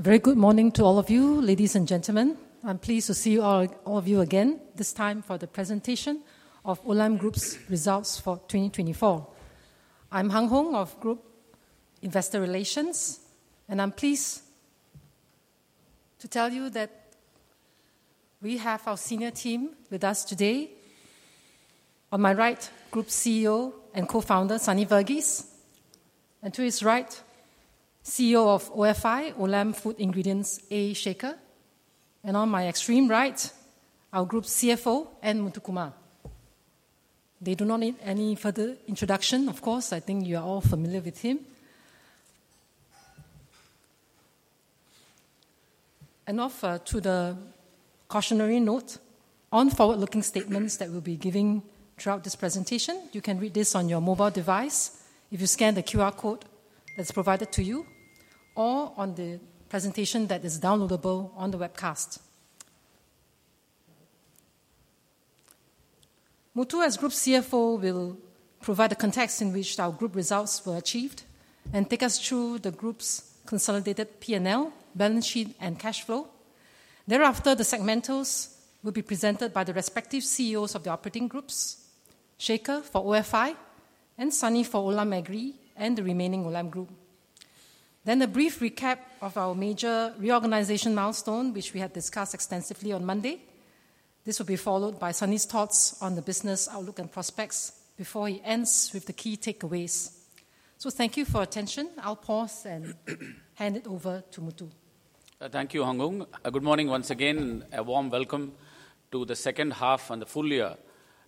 Very good morning to all of you, ladies and gentlemen. I'm pleased to see all of you again this time for the presentation of Olam Group's Results for 2024. I'm Hung Hoeng of Group Investor Relations, and I'm pleased to tell you that we have our senior team with us today. On my right, Group CEO and Co-Founder Sunny Verghese, and to his right, CEO of OFI, Olam Food Ingredients A. Shekhar. And on my extreme right, our Group CFO, N. Muthukumar. They do not need any further introduction, of course. I think you are all familiar with him. Now to the cautionary note on forward-looking statements that we'll be giving throughout this presentation. You can read this on your mobile device if you scan the QR code that's provided to you, or on the presentation that is downloadable on the webcast. Muthu, as Group CFO, will provide the context in which our Group results were achieved and take us through the Group's consolidated P&L, balance sheet, and cash flow. Thereafter, the segmentals will be presented by the respective CEOs of the operating groups, Shekhar for OFI and Sunny for Olam Agri and the Remaining Olam Group. Then a brief recap of our major reorganization milestone, which we had discussed extensively on Monday. This will be followed by Sunny's thoughts on the business outlook and prospects before he ends with the key takeaways. So thank you for your attention. I'll pause and hand it over to Muthu. Thank you, Hung Hoeng. Good morning once again, and a warm welcome to the Second Half and the Full Year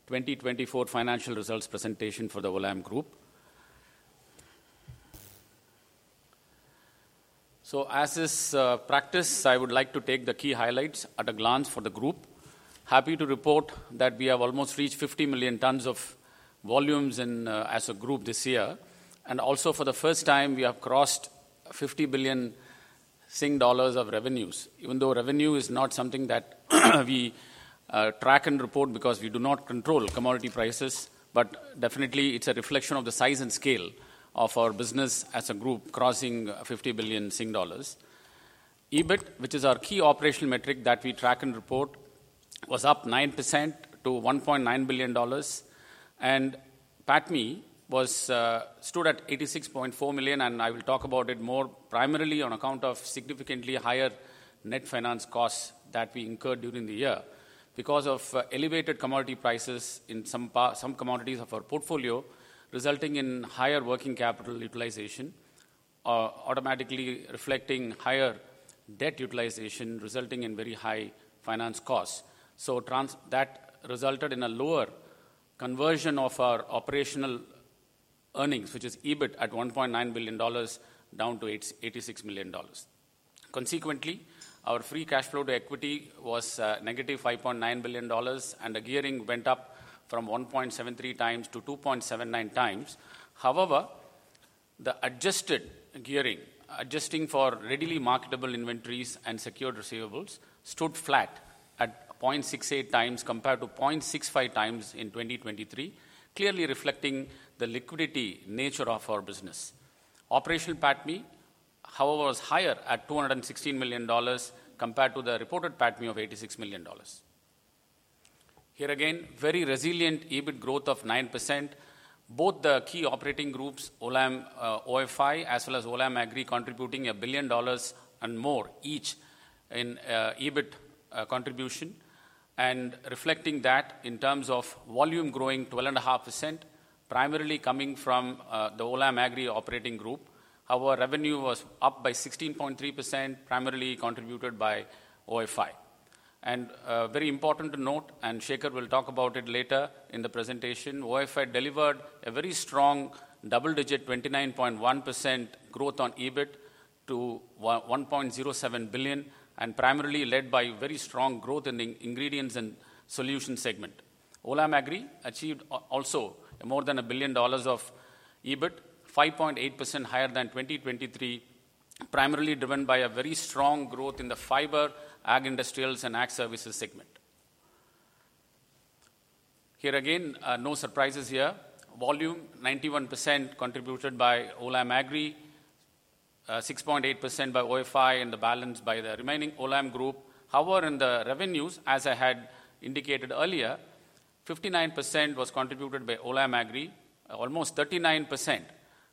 2024 Financial Results presentation for the Olam Group. So as is practice, I would like to take the key highlights at a glance for the group. Happy to report that we have almost reached 50 million tons of volumes as a group this year. And also, for the first time, we have crossed 50 billion Sing dollars of revenues, even though revenue is not something that we track and report because we do not control commodity prices. But definitely, it's a reflection of the size and scale of our business as a group crossing 50 billion Sing dollars. EBIT, which is our key operational metric that we track and report, was up 9% to $1.9 billion. PATMI stood at $86.4 million, and I will talk about it more, primarily on account of significantly higher net finance costs that we incurred during the year because of elevated commodity prices in some commodities of our portfolio, resulting in higher working capital utilization, automatically reflecting higher debt utilization, resulting in very high finance costs. So that resulted in a lower conversion of our operational earnings, which is EBIT at $1.9 billion, down to $86 million. Consequently, our free cash flow to equity was $-5.9 billion, and the gearing went up from 1.73x-2.79x. However, the adjusted gearing, adjusting for readily marketable inventories and secured receivables, stood flat at 0.68x compared to 0.65x in 2023, clearly reflecting the liquidity nature of our business. Operational PATMI, however, was higher at $216 million compared to the reported PATMI of $86 million. Here again, very resilient EBIT growth of 9%. Both the key operating groups, Olam OFI as well as Olam Agri, contributing $1 billion and more each in EBIT contribution, and reflecting that in terms of volume growing 12.5%, primarily coming from the Olam Agri operating group. However, revenue was up by 16.3%, primarily contributed by OFI. Very important to note, and Shekhar will talk about it later in the presentation, OFI delivered a very strong double-digit 29.1% growth on EBIT to $1.07 billion, and primarily led by very strong growth in the ingredients and solutions segment. Olam Agri achieved also more than $1 billion of EBIT, 5.8% higher than 2023, primarily driven by a very strong growth in the fiber, agri-industrials, and agri services segment. Here again, no surprises here. Volume 91% contributed by Olam Agri, 6.8% by OFI, and the balance by the Remaining Olam Group. However, in the revenues, as I had indicated earlier, 59% was contributed by Olam Agri, almost 39%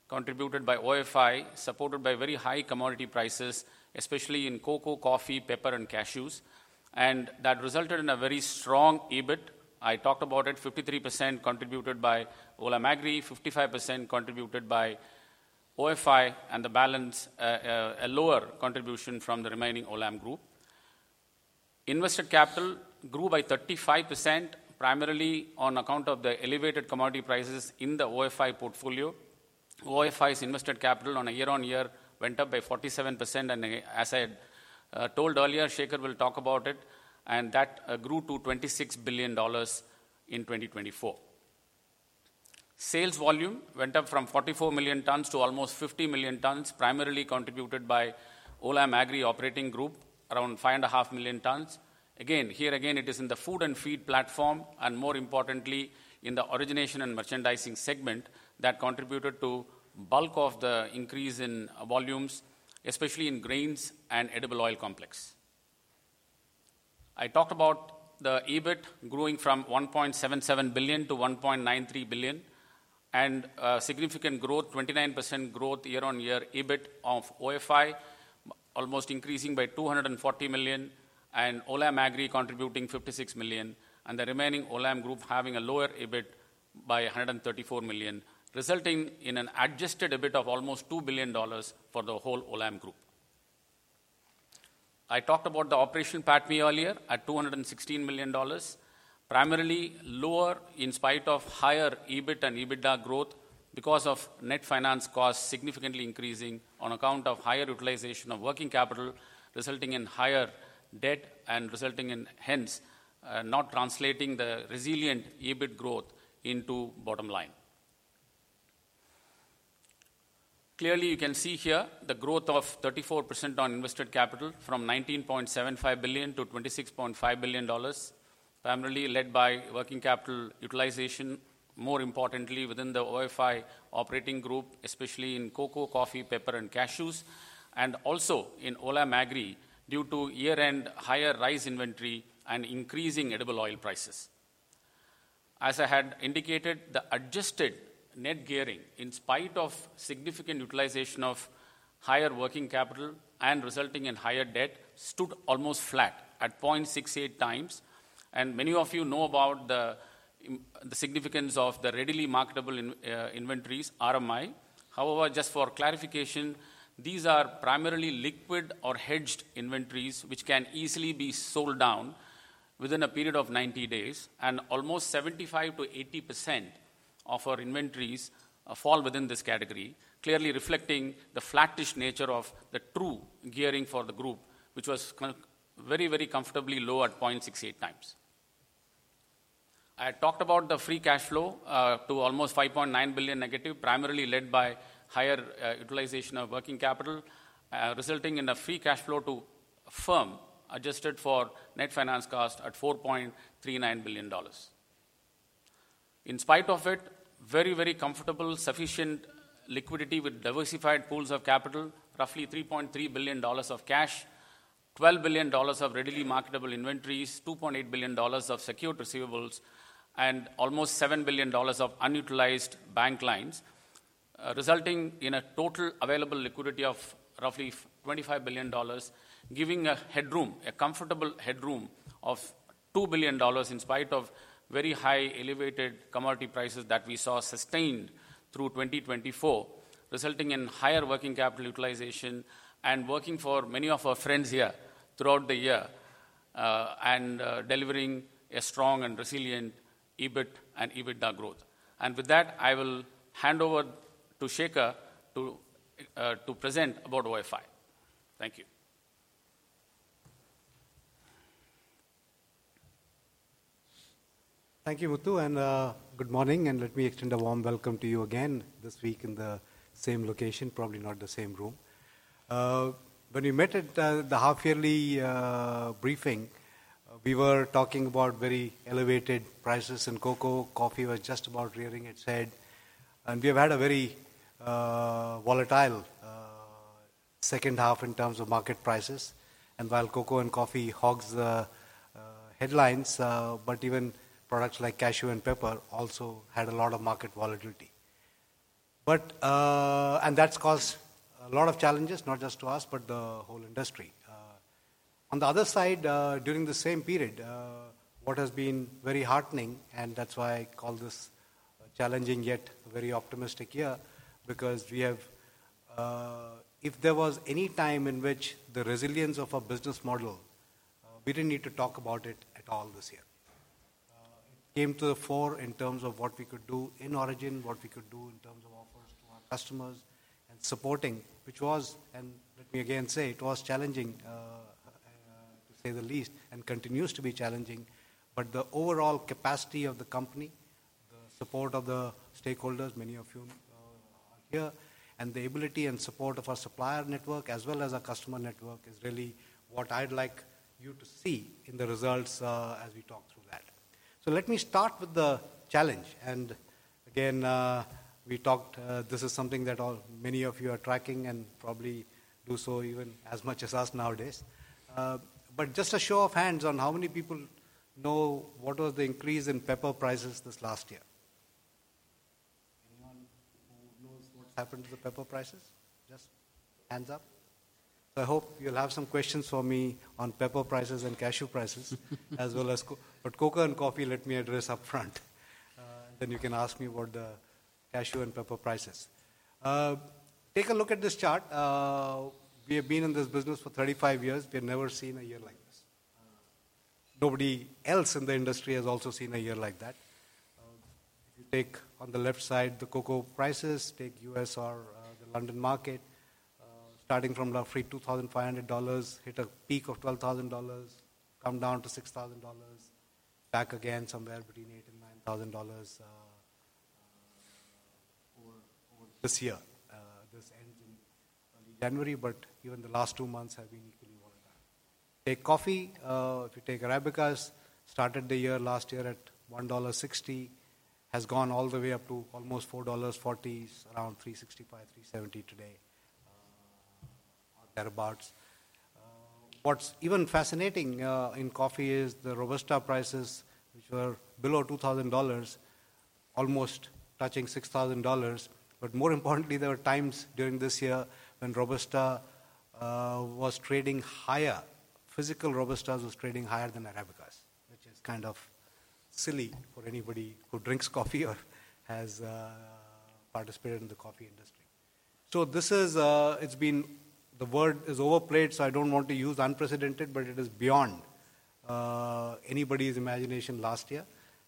contributed by OFI, supported by very high commodity prices, especially in cocoa, coffee, pepper, and cashews. That resulted in a very strong EBIT. I talked about it, 53% contributed by Olam Agri, 55% contributed by OFI, and the balance, a lower contribution from the Remaining Olam Group. Invested capital grew by 35%, primarily on account of the elevated commodity prices in the OFI portfolio. OFI's invested capital on a year-on-year went up by 47%. As I had told earlier, Shekhar will talk about it, and that grew to $26 billion in 2024. Sales volume went up from 44 million tons to almost 50 million tons, primarily contributed by Olam Agri operating group, around 5.5 million tons. Again, here again, it is in the food and feed platform, and more importantly, in the origination and merchandising segment that contributed to the bulk of the increase in volumes, especially in grains and edible oil complex. I talked about the EBIT growing from $1.77 billion-$1.93 billion, and significant growth, 29% growth year-on-year EBIT of OFI, almost increasing by $240 million, and Olam Agri contributing $56 million, and the Remaining Olam Group having a lower EBIT by $134 million, resulting in an adjusted EBIT of almost $2 billion for the whole Olam Group. I talked about the Operational PATMI earlier at $216 million, primarily lower in spite of higher EBIT and EBITDA growth because of net finance costs significantly increasing on account of higher utilization of working capital, resulting in higher debt and resulting in hence not translating the resilient EBIT growth into bottom line. Clearly, you can see here the growth of 34% on invested capital from $19.75 billion-$26.5 billion, primarily led by working capital utilization, more importantly within the OFI operating group, especially in cocoa, coffee, pepper, and cashews, and also in Olam Agri due to year-end higher rice inventory and increasing edible oil prices. As I had indicated, the adjusted net gearing, in spite of significant utilization of higher working capital and resulting in higher debt, stood almost flat at 0.68 times. And many of you know about the significance of the readily marketable inventories, RMI. However, just for clarification, these are primarily liquid or hedged inventories which can easily be sold down within a period of 90 days. And almost 75%-80% of our inventories fall within this category, clearly reflecting the flattish nature of the true gearing for the group, which was very, very comfortably low at 0.68x. I had talked about the free cash flow to almost 5.9 billion negative, primarily led by higher utilization of working capital, resulting in a free cash flow to firm adjusted for net finance cost at $4.39 billion. In spite of it, very, very comfortable sufficient liquidity with diversified pools of capital, roughly $3.3 billion of cash, $12 billion of readily marketable inventories, $2.8 billion of secured receivables, and almost $7 billion of unutilized bank lines, resulting in a total available liquidity of roughly $25 billion, giving a headroom, a comfortable headroom of $2 billion in spite of very high elevated commodity prices that we saw sustained through 2024, resulting in higher working capital utilization and working for many of our friends here throughout the year, and delivering a strong and resilient EBIT and EBITDA growth, and with that, I will hand over to Shekhar to present about OFI. Thank you. Thank you, Muthu. Good morning. Let me extend a warm welcome to you again this week in the same location, probably not the same room. When we met at the half-yearly briefing, we were talking about very elevated prices in cocoa. Coffee was just about rearing its head. We have had a very volatile second half in terms of market prices. While cocoa and coffee hog the headlines, even products like cashew and pepper also had a lot of market volatility. That's caused a lot of challenges, not just to us, but the whole industry. On the other side, during the same period, what has been very heartening, and that's why I call this a challenging yet very optimistic year, because we have, if there was any time in which the resilience of our business model, we didn't need to talk about it at all this year. It came to the fore in terms of what we could do in origin, what we could do in terms of offers to our customers and supporting, which was, and let me again say, it was challenging, to say the least, and continues to be challenging. But the overall capacity of the company, the support of the stakeholders, many of whom are here, and the ability and support of our supplier network as well as our customer network is really what I'd like you to see in the results as we talk through that. So let me start with the challenge. And again, we talked, this is something that many of you are tracking and probably do so even as much as us nowadays. But just a show of hands on how many people know what was the increase in pepper prices this last year? Anyone who knows what's happened to the pepper prices? Just hands up. So I hope you'll have some questions for me on pepper prices and cashew prices, as well as, but cocoa and coffee, let me address upfront. Then you can ask me about the cashew and pepper prices. Take a look at this chart. We have been in this business for 35 years. We have never seen a year like this. Nobody else in the industry has also seen a year like that. If you take on the left side the cocoa prices, take the U.S. or the London market, starting from roughly $2,500, hit a peak of $12,000, come down to $6,000, back again somewhere between $8,000 and $9,000 for this year. This ends in early January, but even the last two months have been equally volatile. Take coffee. If you take Arabicas, started the year last year at $1.60, has gone all the way up to almost $4.40, around $3.65, $3.70 today, thereabouts. What's even fascinating in coffee is the Robusta prices, which were below $2,000, almost touching $6,000. But more importantly, there were times during this year when Robusta was trading higher. Physical Robusta was trading higher than Arabicas, which is kind of silly for anybody who drinks coffee or has participated in the coffee industry. So this is. It's been-the word is overplayed-so I don't want to use "unprecedented," but it is beyond anybody's imagination last year,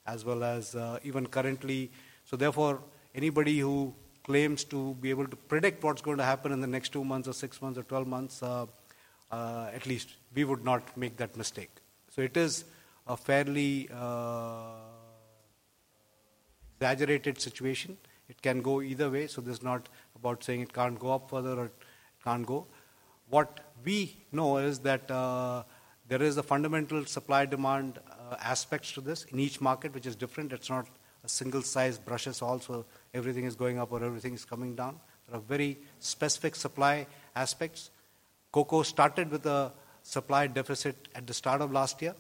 as well as even currently. So therefore, anybody who claims to be able to predict what's going to happen in the next two months or six months or 12 months, at least we would not make that mistake. So it is a fairly exaggerated situation. It can go either way. So this is not about saying it can't go up further or it can't go. What we know is that there is a fundamental supply demand aspect to this in each market, which is different. It's not a one-size-fits-all brush. It's also everything is going up or everything is coming down. There are very specific supply aspects. Cocoa started with a supply deficit at the start of last year,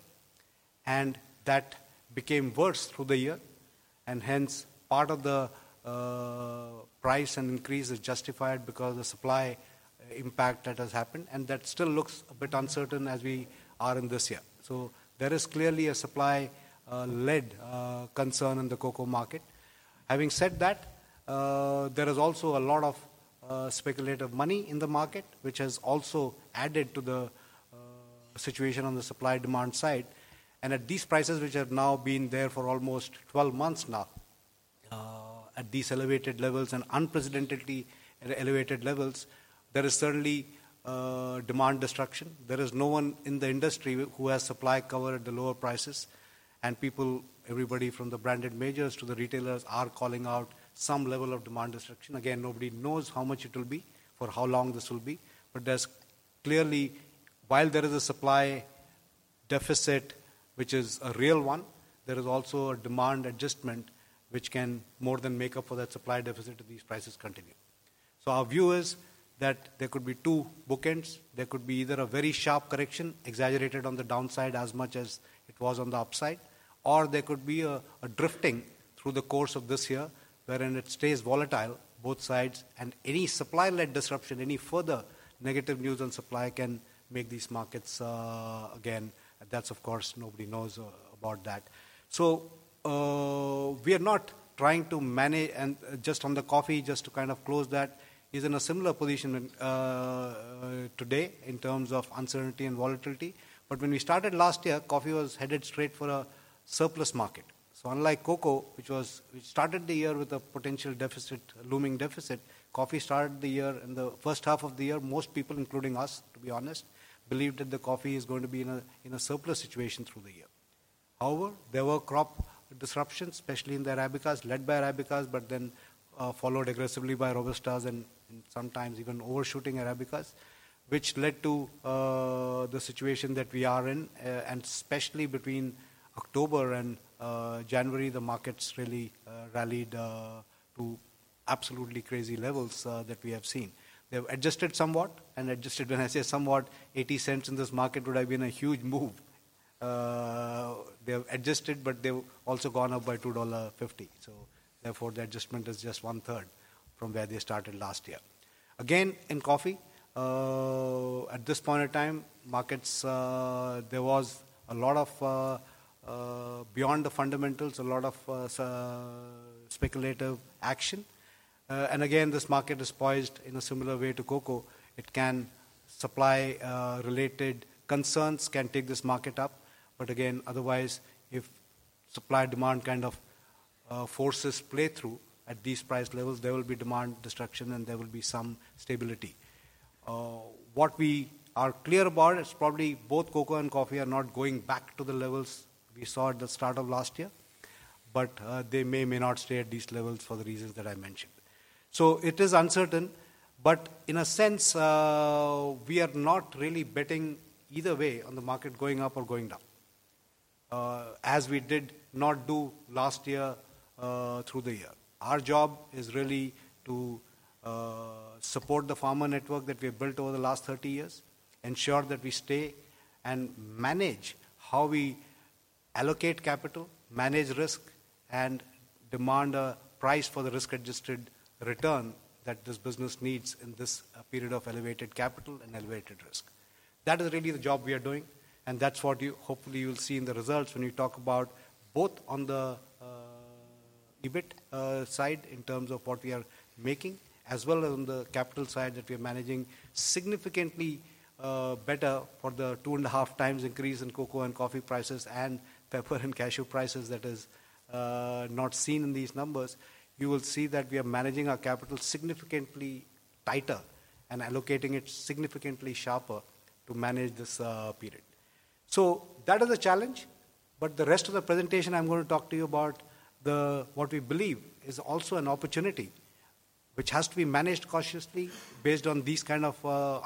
and that became worse through the year. Hence, part of the price and increase is justified because of the supply impact that has happened. That still looks a bit uncertain as we are in this year. There is clearly a supply-led concern in the cocoa market. Having said that, there is also a lot of speculative money in the market, which has also added to the situation on the supply demand side. At these prices, which have now been there for almost 12 months now, at these elevated levels and unprecedentedly elevated levels, there is certainly demand destruction. There is no one in the industry who has supply cover at the lower prices. People, everybody from the branded majors to the retailers, are calling out some level of demand destruction. Again, nobody knows how much it will be or how long this will be. But there's clearly, while there is a supply deficit, which is a real one, there is also a demand adjustment, which can more than make up for that supply deficit if these prices continue. So our view is that there could be two bookends. There could be either a very sharp correction, exaggerated on the downside as much as it was on the upside, or there could be a drifting through the course of this year, wherein it stays volatile, both sides. And any supply-led disruption, any further negative news on supply can make these markets again, that's of course, nobody knows about that. So we are not trying to manage, and just on the coffee, just to kind of close that, is in a similar position today in terms of uncertainty and volatility. When we started last year, coffee was headed straight for a surplus market. So unlike cocoa, which started the year with a potential deficit, looming deficit, coffee started the year in the first half of the year. Most people, including us, to be honest, believed that the coffee is going to be in a surplus situation through the year. However, there were crop disruptions, especially in the Arabicas, led by Arabicas, but then followed aggressively by Robustas and sometimes even overshooting Arabicas, which led to the situation that we are in. Especially between October and January, the markets really rallied to absolutely crazy levels that we have seen. They have adjusted somewhat. Adjusted, when I say somewhat, $0.80 in this market would have been a huge move. They have adjusted, but they have also gone up by $2.50. So therefore, the adjustment is just one-third from where they started last year. Again, in coffee, at this point in time, markets, there was a lot of beyond the fundamentals, a lot of speculative action. And again, this market is poised in a similar way to cocoa. Its supply-related concerns can take this market up. But again, otherwise, if supply-demand kind of forces play through at these price levels, there will be demand destruction and there will be some stability. What we are clear about is probably both cocoa and coffee are not going back to the levels we saw at the start of last year, but they may or may not stay at these levels for the reasons that I mentioned. So it is uncertain, but in a sense, we are not really betting either way on the market going up or going down, as we did not do last year through the year. Our job is really to support the farmer network that we have built over the last 30 years, ensure that we stay and manage how we allocate capital, manage risk, and demand a price for the risk-adjusted return that this business needs in this period of elevated capital and elevated risk. That is really the job we are doing. That's what hopefully you'll see in the results when you talk about both on the EBIT side in terms of what we are making, as well as on the capital side that we are managing significantly better for the two and a half times increase in cocoa and coffee prices and pepper and cashew prices that is not seen in these numbers. You will see that we are managing our capital significantly tighter and allocating it significantly sharper to manage this period. That is a challenge. The rest of the presentation, I'm going to talk to you about what we believe is also an opportunity which has to be managed cautiously based on these kind of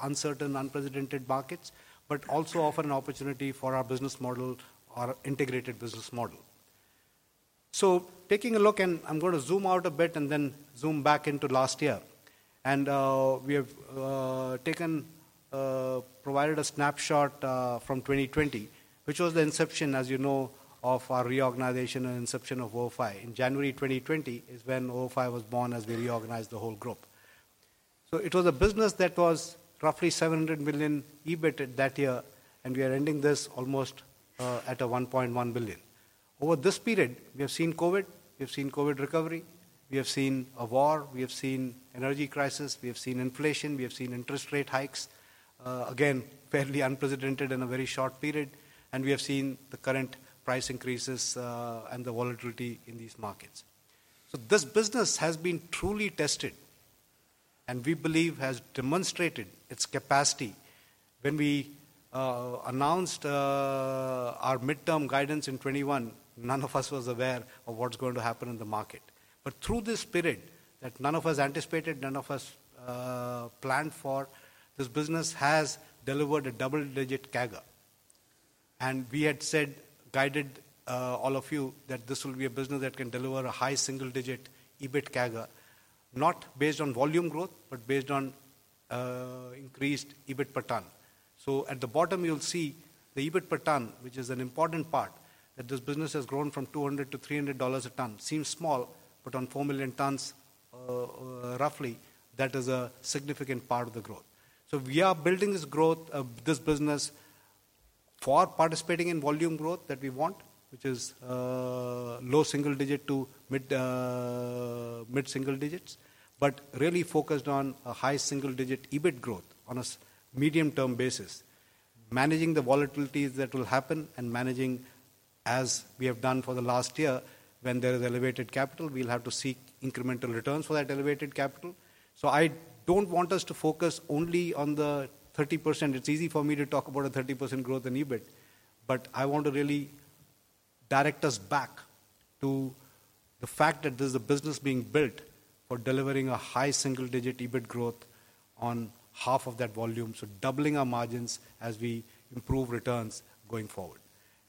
uncertain, unprecedented markets, but also offer an opportunity for our business model or integrated business model. So taking a look, and I'm going to zoom out a bit and then zoom back into last year. And we have taken, provided a snapshot from 2020, which was the inception, as you know, of our reorganization and inception of OFI. In January 2020 is when OFI was born as we reorganized the whole group. So it was a business that was roughly $700 million EBITDA that year, and we are ending this almost at a $1.1 billion. Over this period, we have seen COVID, we have seen COVID recovery, we have seen a war, we have seen energy crisis, we have seen inflation, we have seen interest rate hikes, again, fairly unprecedented in a very short period. And we have seen the current price increases and the volatility in these markets. So this business has been truly tested and we believe has demonstrated its capacity. When we announced our midterm guidance in 2021, none of us was aware of what's going to happen in the market. But through this period that none of us anticipated, none of us planned for, this business has delivered a double-digit CAGR. And we had said, guided all of you that this will be a business that can deliver a high single-digit EBIT CAGR, not based on volume growth, but based on increased EBIT per ton. So at the bottom, you'll see the EBIT per ton, which is an important part, that this business has grown from $200-$300 a ton. Seems small, but on four million tons, roughly, that is a significant part of the growth. So we are building this growth, this business, for participating in volume growth that we want, which is low single digit to mid-single digits, but really focused on a high single-digit EBIT growth on a medium-term basis, managing the volatilities that will happen and managing, as we have done for the last year, when there is elevated capital, we'll have to seek incremental returns for that elevated capital. So I don't want us to focus only on the 30%. It's easy for me to talk about a 30% growth in EBIT, but I want to really direct us back to the fact that there's a business being built for delivering a high single-digit EBIT growth on half of that volume, so doubling our margins as we improve returns going forward.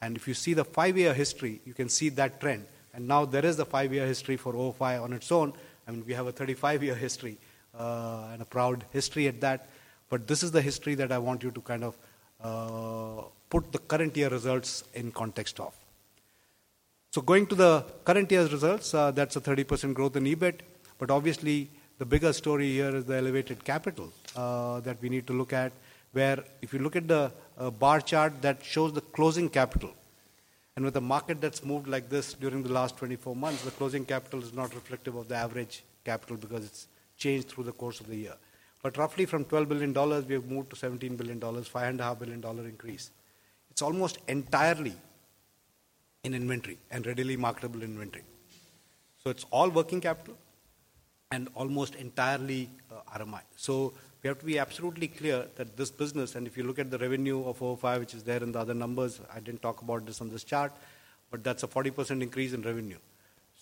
And if you see the five-year history, you can see that trend. Now there is the 5-year history for OFI on its own. I mean, we have a 35-year history and a proud history at that. But this is the history that I want you to kind of put the current year results in context of. So going to the current year's results, that's a 30% growth in EBIT. But obviously, the bigger story here is the elevated capital that we need to look at, where if you look at the bar chart that shows the closing capital. And with a market that's moved like this during the last 24 months, the closing capital is not reflective of the average capital because it's changed through the course of the year. But roughly from $12 billion, we have moved to $17 billion, $5.5 billion increase. It's almost entirely in inventory and readily marketable inventory. It's all working capital and almost entirely RMI. We have to be absolutely clear that this business, and if you look at the revenue of OFI, which is there in the other numbers, I didn't talk about this on this chart, but that's a 40% increase in revenue.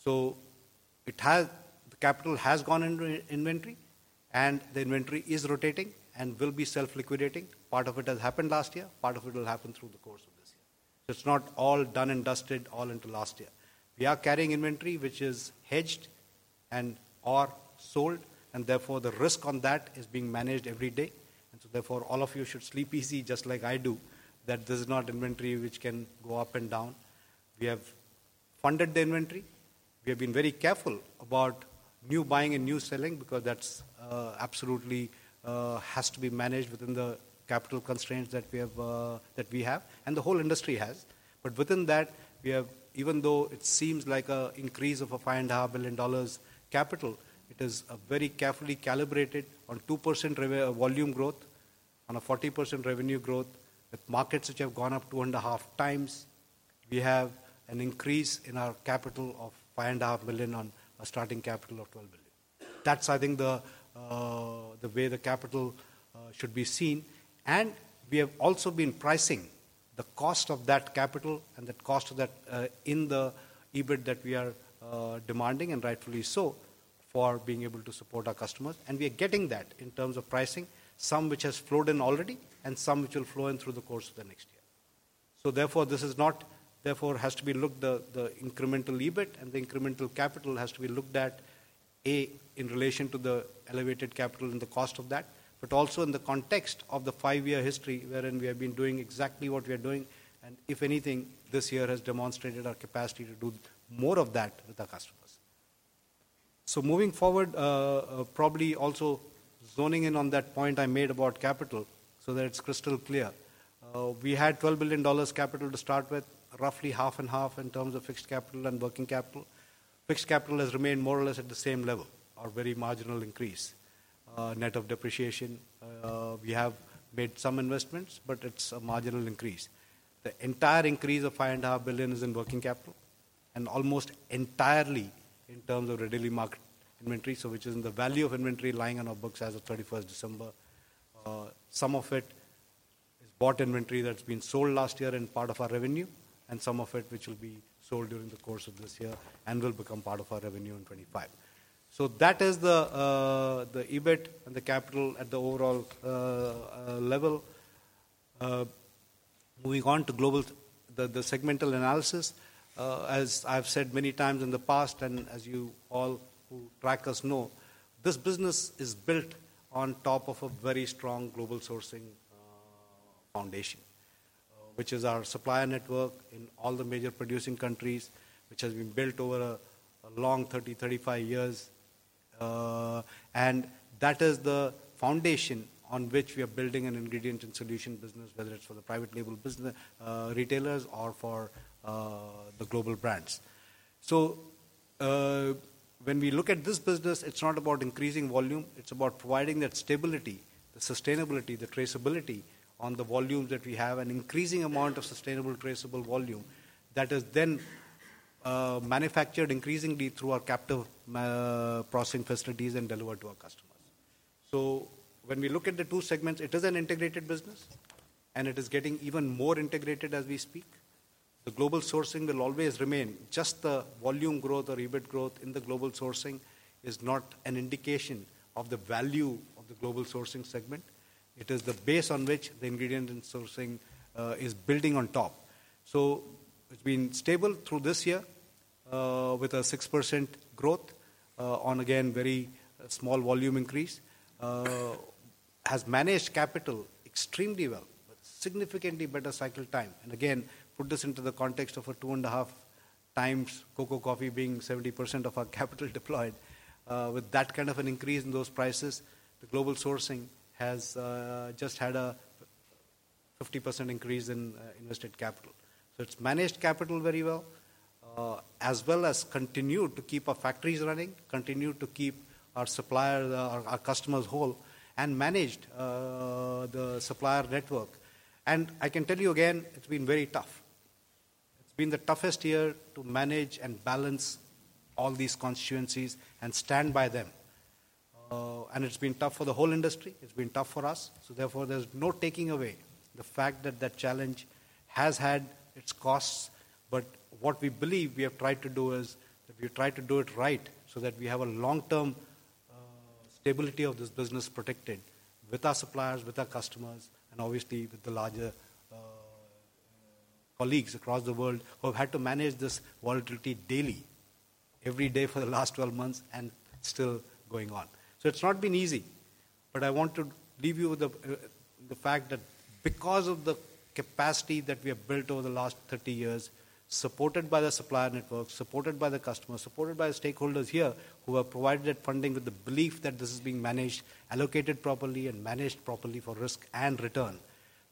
The capital has gone into inventory, and the inventory is rotating and will be self-liquidating. Part of it has happened last year. Part of it will happen through the course of this year. It's not all done and dusted all into last year. We are carrying inventory, which is hedged and/or sold, and therefore the risk on that is being managed every day. Therefore, all of you should sleep easy, just like I do, that this is not inventory which can go up and down. We have funded the inventory. We have been very careful about new buying and new selling because that absolutely has to be managed within the capital constraints that we have, and the whole industry has. But within that, we have, even though it seems like an increase of a $5.5 billion capital, it is very carefully calibrated on 2% volume growth, on a 40% revenue growth, with markets which have gone up 2.5x. We have an increase in our capital of $5.5 billion on a starting capital of $12 billion. That's, I think, the way the capital should be seen. And we have also been pricing the cost of that capital and the cost of that in the EBIT that we are demanding, and rightfully so, for being able to support our customers. And we are getting that in terms of pricing, some which has flowed in already and some which will flow in through the course of the next year. So therefore, this is not, therefore has to be looked at the incremental EBIT, and the incremental capital has to be looked at, A, in relation to the elevated capital and the cost of that, but also in the context of the five-year history, wherein we have been doing exactly what we are doing. And if anything, this year has demonstrated our capacity to do more of that with our customers. So moving forward, probably also zoning in on that point I made about capital so that it's crystal clear. We had $12 billion capital to start with, roughly half and half in terms of fixed capital and working capital. Fixed capital has remained more or less at the same level or very marginal increase, net of depreciation. We have made some investments, but it's a marginal increase. The entire increase of $5.5 billion is in working capital and almost entirely in terms of readily marketable inventory, so which is in the value of inventory lying on our books as of 31st December. Some of it is bought inventory that's been sold last year and part of our revenue, and some of it which will be sold during the course of this year and will become part of our revenue in 2025. So that is the EBIT and the capital at the overall level. Moving on to global, the segmental analysis, as I've said many times in the past, and as you all who track us know, this business is built on top of a very strong global sourcing foundation, which is our supplier network in all the major producing countries, which has been built over a long 30-35 years, and that is the foundation on which we are building an ingredient and solution business, whether it's for the private label retailers or for the global brands, so when we look at this business, it's not about increasing volume. It's about providing that stability, the sustainability, the traceability on the volume that we have and increasing amount of sustainable traceable volume that is then manufactured increasingly through our capital processing facilities and delivered to our customers. So when we look at the two segments, it is an integrated business, and it is getting even more integrated as we speak. The global sourcing will always remain. Just the volume growth or EBIT growth in the global sourcing is not an indication of the value of the global sourcing segment. It is the base on which the ingredient and sourcing is building on top. So it's been stable through this year with a 6% growth on, again, very small volume increase, has managed capital extremely well, but significantly better cycle time. And again, put this into the context of a 2.5x cocoa, coffee being 70% of our capital deployed. With that kind of an increase in those prices, the global sourcing has just had a 50% increase in invested capital. So it's managed capital very well, as well as continued to keep our factories running, continued to keep our suppliers, our customers whole, and managed the supplier network. And I can tell you again, it's been very tough. It's been the toughest year to manage and balance all these constituencies and stand by them. And it's been tough for the whole industry. It's been tough for us. So therefore, there's no taking away the fact that that challenge has had its costs. But what we believe we have tried to do is that we have tried to do it right so that we have a long-term stability of this business protected with our suppliers, with our customers, and obviously with the larger colleagues across the world who have had to manage this volatility daily, every day for the last 12 months and still going on. So it's not been easy. But I want to leave you with the fact that because of the capacity that we have built over the last 30 years, supported by the supplier network, supported by the customers, supported by the stakeholders here who have provided that funding with the belief that this is being managed, allocated properly and managed properly for risk and return,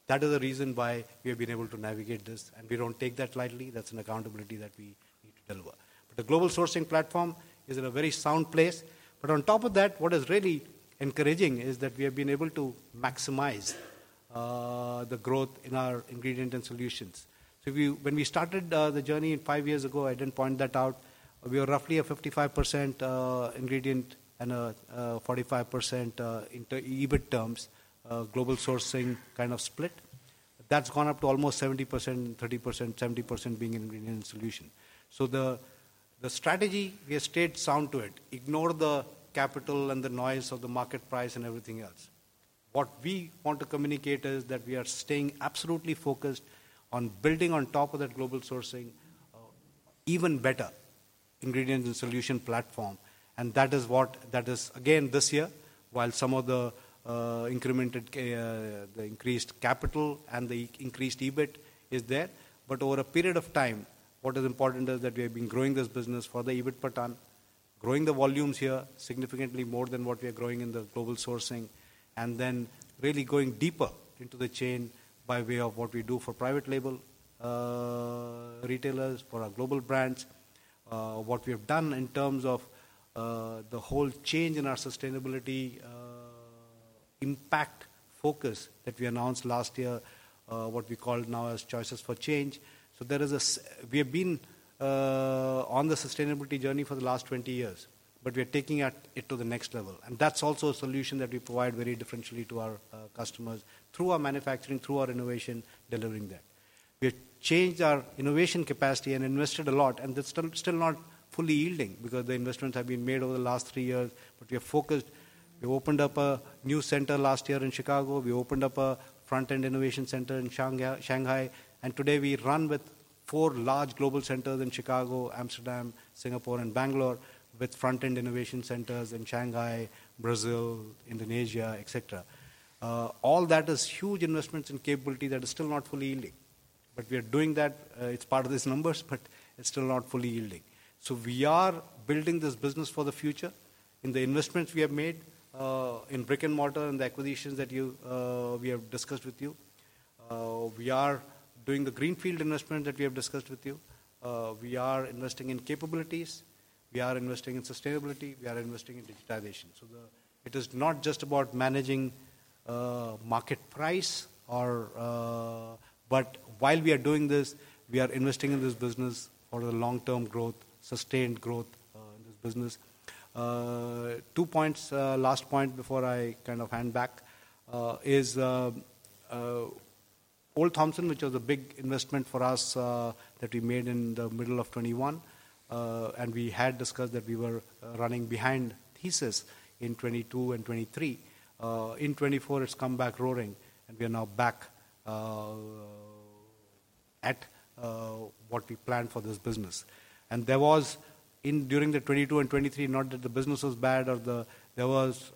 that is the reason why we have been able to navigate this. And we don't take that lightly. That's an accountability that we need to deliver. But the global sourcing platform is in a very sound place. But on top of that, what is really encouraging is that we have been able to maximize the growth in our ingredient and solutions. So when we started the journey five years ago, I didn't point that out. We were roughly a 55% ingredient and a 45% in EBIT terms global sourcing kind of split. That's gone up to almost 70%, 30%, 70% being ingredient and solution. So the strategy, we have stayed sound to it. Ignore the capital and the noise of the market price and everything else. What we want to communicate is that we are staying absolutely focused on building on top of that global sourcing even better ingredient and solution platform. And that is what that is, again, this year, while some of the incremental, the increased capital and the increased EBIT is there. But over a period of time, what is important is that we have been growing this business for the EBIT per ton, growing the volumes here significantly more than what we are growing in the global sourcing, and then really going deeper into the chain by way of what we do for private label retailers, for our global brands, what we have done in terms of the whole change in our sustainability impact focus that we announced last year, what we call now as Choices for Change. So there is, we have been on the sustainability journey for the last 20 years, but we are taking it to the next level. And that's also a solution that we provide very differentially to our customers through our manufacturing, through our innovation, delivering that. We have changed our innovation capacity and invested a lot, and that's still not fully yielding because the investments have been made over the last three years. But we have focused. We opened up a new center last year in Chicago. We opened up a front-end innovation center in Shanghai. And today, we run with four large global centers in Chicago, Amsterdam, Singapore, and Bangalore, with front-end innovation centers in Shanghai, Brazil, Indonesia, etc. All that is huge investments in capability that is still not fully yielding. But we are doing that. It's part of these numbers, but it's still not fully yielding. So we are building this business for the future in the investments we have made in brick and mortar and the acquisitions that we have discussed with you. We are doing the greenfield investment that we have discussed with you. We are investing in capabilities. We are investing in sustainability. We are investing in digitization. So it is not just about managing market price, but while we are doing this, we are investing in this business for the long-term growth, sustained growth in this business. Two points, last point before I kind of hand back is Olde Thompson, which was a big investment for us that we made in the middle of 2021. And we had discussed that we were running behind thesis in 2022 and 2023. In 2024, it's come back roaring, and we are now back at what we planned for this business. And there was, during the 2022 and 2023, not that the business was bad or that there was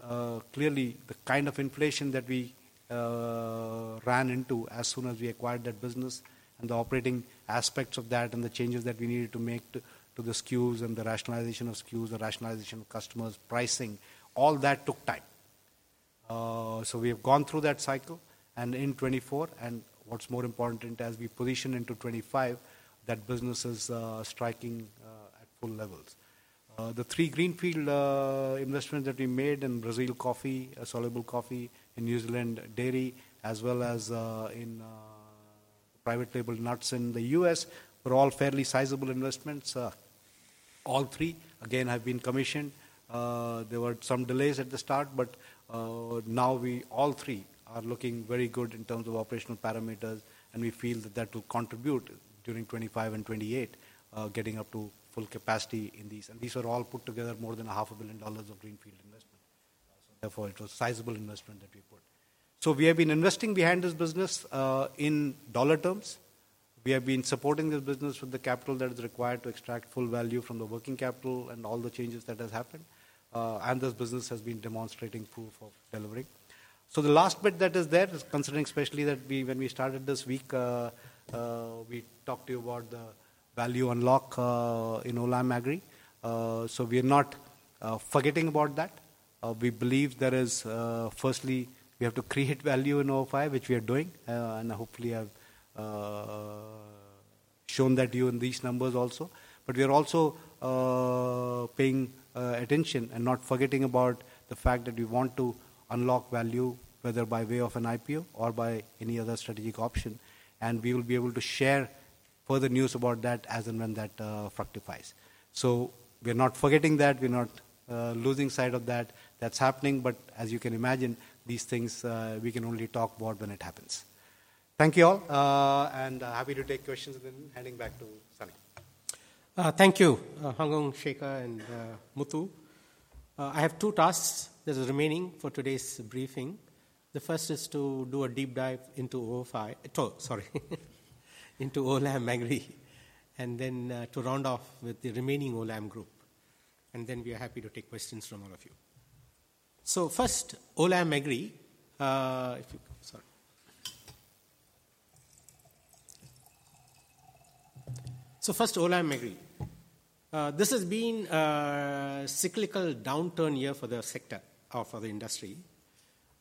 clearly the kind of inflation that we ran into as soon as we acquired that business and the operating aspects of that and the changes that we needed to make to the SKUs and the rationalization of SKUs, the rationalization of customers, pricing. All that took time. So we have gone through that cycle. And in 2024, and what's more important as we position into 2025, that business is operating at full levels. The three greenfield investments that we made in Brazil coffee, soluble coffee, in New Zealand dairy, as well as in private label nuts in the U.S. were all fairly sizable investments. All three, again, have been commissioned. There were some delays at the start, but now we all three are looking very good in terms of operational parameters, and we feel that that will contribute during 2025 and 2028, getting up to full capacity in these. And these are all put together more than $500 million of greenfield investment. So therefore, it was a sizable investment that we put. So we have been investing behind this business in dollar terms. We have been supporting this business with the capital that is required to extract full value from the working capital and all the changes that have happened. And this business has been demonstrating proof of delivering. So the last bit that is there is considering especially that when we started this week, we talked to you about the value unlock in Olam Agri. So we are not forgetting about that. We believe there is, firstly, we have to create value in 2005, which we are doing, and hopefully have shown that to you in these numbers also. But we are also paying attention and not forgetting about the fact that we want to unlock value, whether by way of an IPO or by any other strategic option. And we will be able to share further news about that as and when that fructifies. So we are not forgetting that. We are not losing sight of that. That's happening. But as you can imagine, these things we can only talk about when it happens. Thank you all, and happy to take questions and then handing back to Sunny. Thank you, Hung Hoeng, Shekhar, and Muthu. I have two tasks that are remaining for today's briefing. The first is to do a deep dive into Olam Agri, and then to round off with the Remaining Olam Group. We are happy to take questions from all of you. First, Olam Agri. This has been a cyclical downturn year for the sector or for the industry.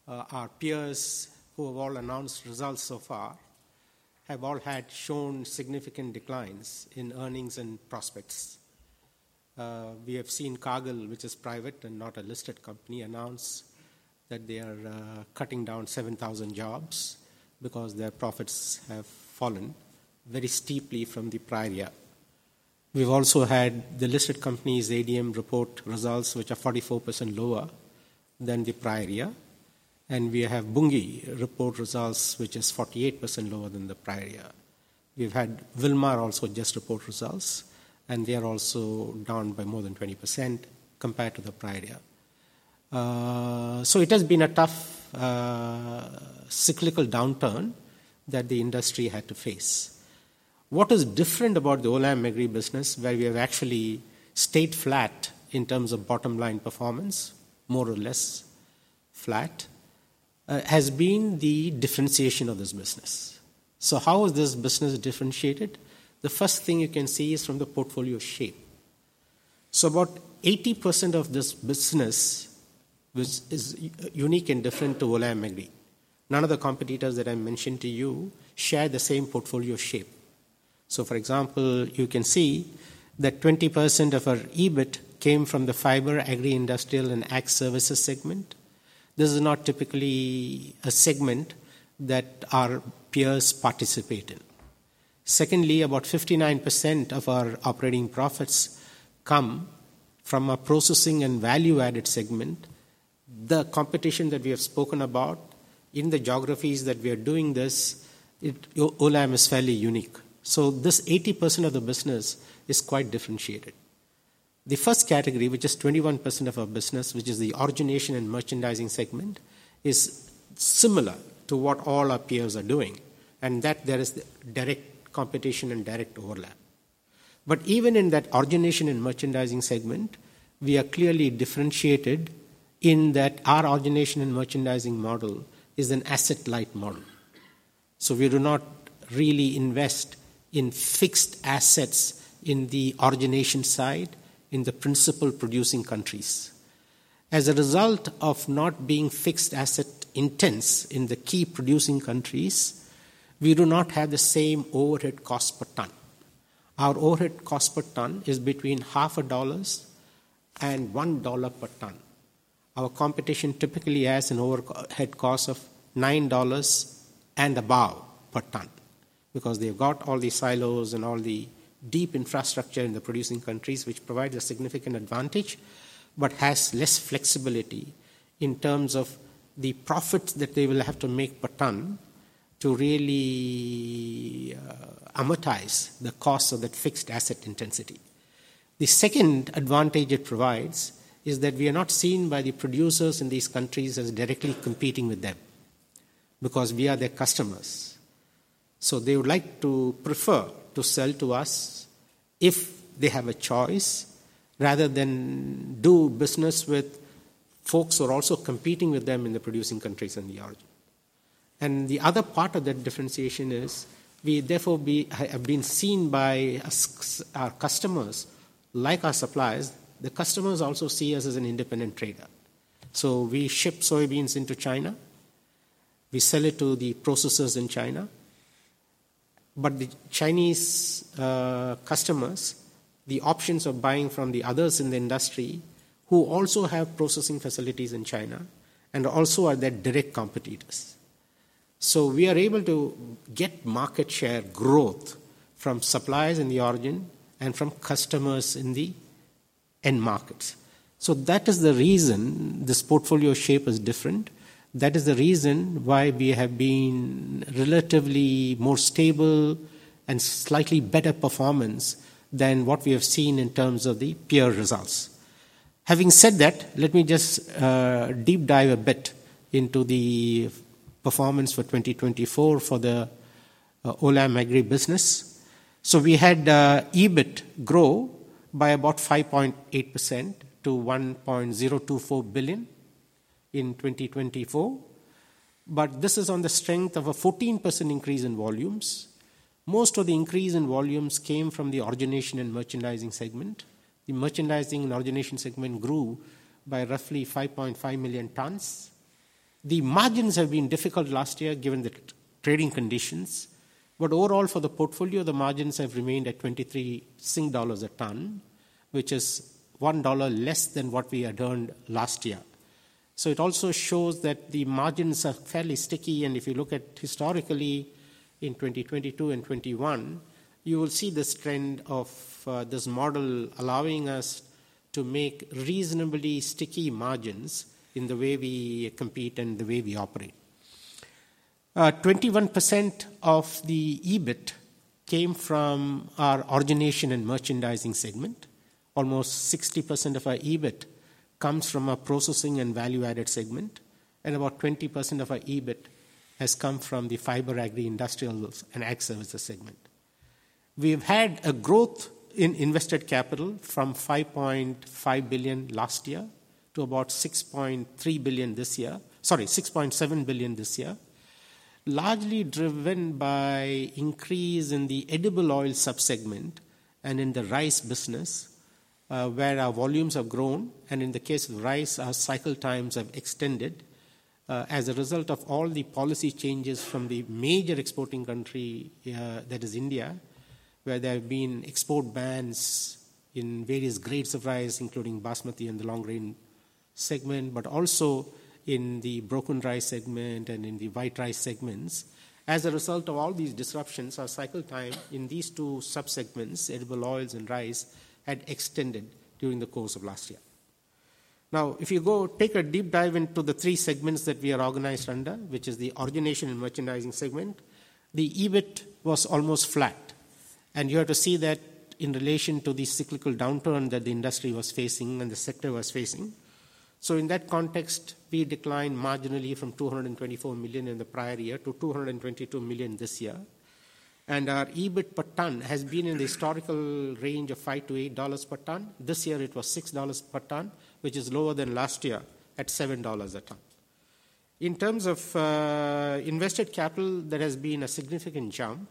Our peers who have all announced results so far have all had shown significant declines in earnings and prospects. We have seen Cargill, which is private and not a listed company, announce that they are cutting down 7,000 jobs because their profits have fallen very steeply from the prior year. We have also had the listed company ADM report results, which are 44% lower than the prior year. We have Bunge report results, which is 48% lower than the prior year. We've had Wilmar also just report results, and they are also down by more than 20% compared to the prior year. So it has been a tough cyclical downturn that the industry had to face. What is different about the Olam Agri business, where we have actually stayed flat in terms of bottom line performance, more or less flat, has been the differentiation of this business. So how is this business differentiated? The first thing you can see is from the portfolio shape. So about 80% of this business is unique and different to Olam Agri. None of the competitors that I mentioned to you share the same portfolio shape. So for example, you can see that 20% of our EBIT came from the fiber, agri-industrial, and agricultural services segment. This is not typically a segment that our peers participate in. Secondly, about 59% of our operating profits come from a processing and value-added segment. The competition that we have spoken about in the geographies that we are doing this, Olam is fairly unique. So this 80% of the business is quite differentiated. The first category, which is 21% of our business, which is the origination and merchandising segment, is similar to what all our peers are doing, and that there is direct competition and direct overlap. But even in that origination and merchandising segment, we are clearly differentiated in that our origination and merchandising model is an asset-light model. So we do not really invest in fixed assets in the origination side in the principal producing countries. As a result of not being fixed asset intense in the key producing countries, we do not have the same overhead cost per ton. Our overhead cost per ton is between $0.50 and $1 per ton. Our competition typically has an overhead cost of $9 and above per ton because they've got all the silos and all the deep infrastructure in the producing countries, which provides a significant advantage, but has less flexibility in terms of the profits that they will have to make per ton to really amortize the cost of that fixed asset intensity. The second advantage it provides is that we are not seen by the producers in these countries as directly competing with them because we are their customers. So they would like to prefer to sell to us if they have a choice rather than do business with folks who are also competing with them in the producing countries and the origin. The other part of that differentiation is we therefore have been seen by our customers like our suppliers. The customers also see us as an independent trader. So we ship soybeans into China. We sell it to the processors in China. But the Chinese customers, the options of buying from the others in the industry who also have processing facilities in China and also are their direct competitors. So we are able to get market share growth from suppliers in the origin and from customers in the end markets. So that is the reason this portfolio shape is different. That is the reason why we have been relatively more stable and slightly better performance than what we have seen in terms of the peer results. Having said that, let me just deep dive a bit into the performance for 2024 for the Olam Agri business. We had EBIT grow by about 5.8% to $1.024 billion in 2024. But this is on the strength of a 14% increase in volumes. Most of the increase in volumes came from the origination and merchandising segment. The merchandising and origination segment grew by roughly 5.5 million tons. The margins have been difficult last year given the trading conditions. But overall, for the portfolio, the margins have remained at $23 a ton, which is $1 less than what we had earned last year. So it also shows that the margins are fairly sticky. And if you look at historically in 2022 and 2021, you will see this trend of this model allowing us to make reasonably sticky margins in the way we compete and the way we operate. 21% of the EBIT came from our origination and merchandising segment. Almost 60% of our EBIT comes from our processing and value-added segment, and about 20% of our EBIT has come from the fiber, agri-industrial, and agricultural services segment. We have had a growth in invested capital from $5.5 billion last year to about $6.3 billion this year, sorry, $6.7 billion this year, largely driven by increase in the edible oil subsegment and in the rice business, where our volumes have grown. In the case of rice, our cycle times have extended as a result of all the policy changes from the major exporting country that is India, where there have been export bans in various grades of rice, including basmati and the long grain segment, but also in the broken rice segment and in the white rice segments. As a result of all these disruptions, our cycle time in these two subsegments, edible oils and rice, had extended during the course of last year. Now, if you go take a deep dive into the three segments that we are organized under, which is the origination and merchandising segment, the EBIT was almost flat. And you have to see that in relation to the cyclical downturn that the industry was facing and the sector was facing. So in that context, we declined marginally from $224 million in the prior year to $222 million this year. And our EBIT per ton has been in the historical range of $5-$8 per ton. This year, it was $6 per ton, which is lower than last year at $7 a ton. In terms of invested capital, there has been a significant jump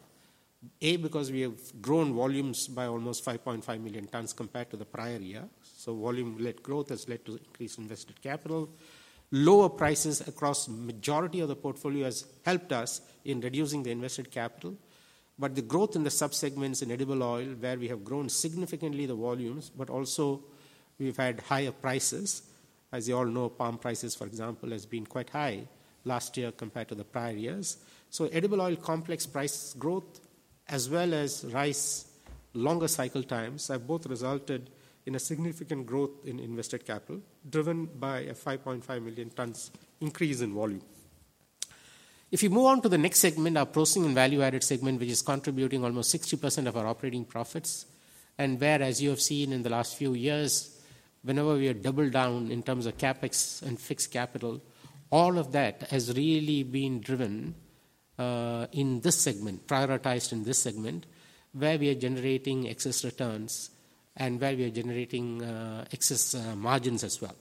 because we have grown volumes by almost 5.5 million tons compared to the prior year. So volume-led growth has led to increased invested capital. Lower prices across the majority of the portfolio has helped us in reducing the invested capital. But the growth in the subsegments in edible oil, where we have grown significantly the volumes, but also we've had higher prices. As you all know, palm prices, for example, have been quite high last year compared to the prior years. So edible oil complex price growth, as well as rice longer cycle times, have both resulted in a significant growth in invested capital driven by a 5.5 million tons increase in volume. If you move on to the next segment, our processing and value-added segment, which is contributing almost 60% of our operating profits. Where, as you have seen in the last few years, whenever we are double down in terms of CapEx and fixed capital, all of that has really been driven in this segment, prioritized in this segment, where we are generating excess returns and where we are generating excess margins as well.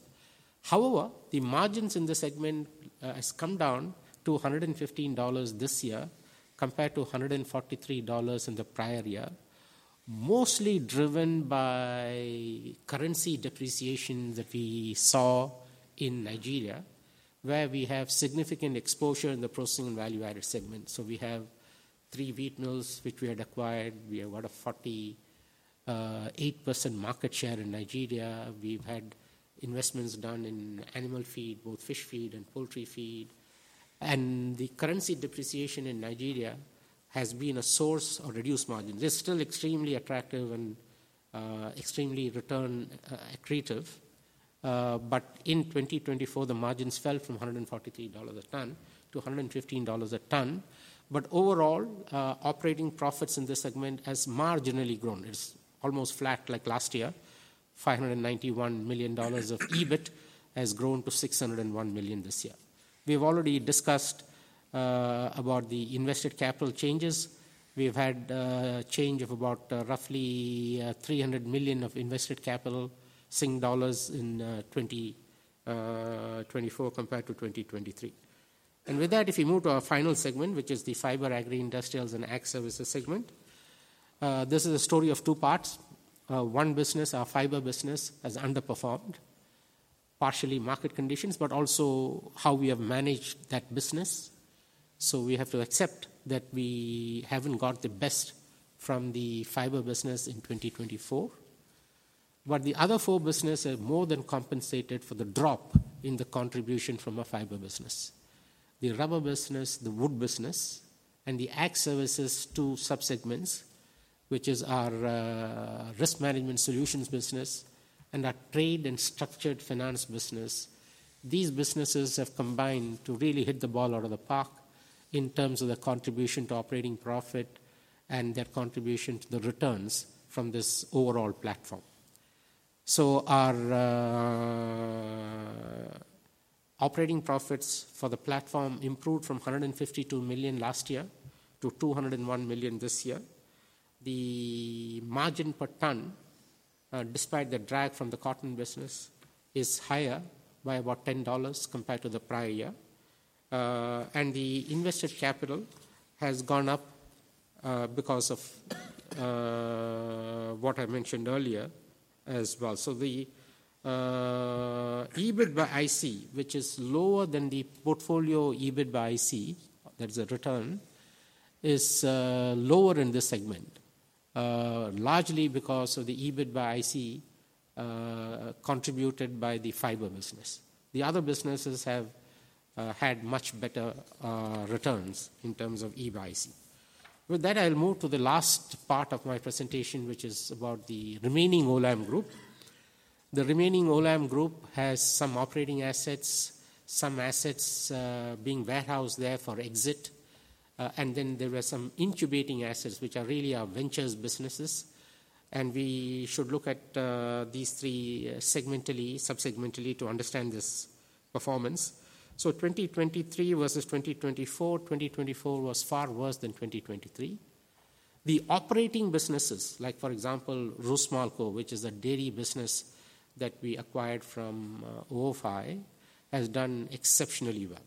However, the margins in this segment have come down to $115 this year compared to $143 in the prior year, mostly driven by currency depreciation that we saw in Nigeria, where we have significant exposure in the processing and value-added segment. So we have three wheat mills, which we had acquired. We have got a 48% market share in Nigeria. We've had investments done in animal feed, both fish feed and poultry feed. And the currency depreciation in Nigeria has been a source of reduced margins. It's still extremely attractive and extremely return accretive. But in 2024, the margins fell from $143 a ton-$115 a ton. But overall, operating profits in this segment have marginally grown. It's almost flat like last year. $591 million of EBIT has grown to $601 million this year. We've already discussed about the invested capital changes. We've had a change of about roughly 300 million of invested capital in 2024 compared to 2023. And with that, if you move to our final segment, which is the fiber, agri-industrials, and agricultural services segment, this is a story of two parts. One business, our fiber business, has underperformed partially market conditions, but also how we have managed that business. So we have to accept that we haven't got the best from the fiber business in 2024. But the other four businesses have more than compensated for the drop in the contribution from our fiber business: the rubber business, the wood business, and the ag services two subsegments, which is our risk management solutions business and our trade and structured finance business. These businesses have combined to really hit the ball out of the park in terms of their contribution to operating profit and their contribution to the returns from this overall platform. So our operating profits for the platform improved from $152 million last year-$201 million this year. The margin per ton, despite the drag from the cotton business, is higher by about $10 compared to the prior year. And the invested capital has gone up because of what I mentioned earlier as well. The EBIT by IC, which is lower than the portfolio EBIT by IC, that is a return, is lower in this segment, largely because of the EBIT by IC contributed by the fiber business. The other businesses have had much better returns in terms of EBIT by IC. With that, I'll move to the last part of my presentation, which is about the Remaining Olam Group. The Remaining Olam Group has some operating assets, some assets being warehoused there for exit. And then there were some incubating assets, which are really our ventures businesses. And we should look at these three segmentally, subsegmentally to understand this performance. So 2023 versus 2024, 2024 was far worse than 2023. The operating businesses, like for example, Rusmolco, which is a dairy business that we acquired from OFI, has done exceptionally well.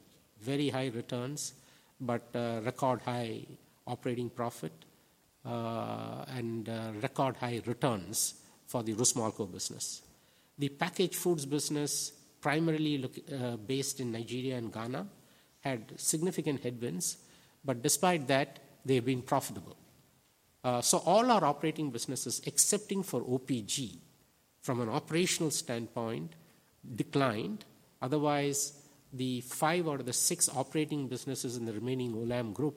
Very high returns, but record high operating profit and record high returns for the Rusmolco business. The packaged foods business, primarily based in Nigeria and Ghana, had significant headwinds, but despite that, they have been profitable, so all our operating businesses, excepting for OPG, from an operational standpoint, declined. Otherwise, the five out of the six operating businesses in the Remaining Olam Group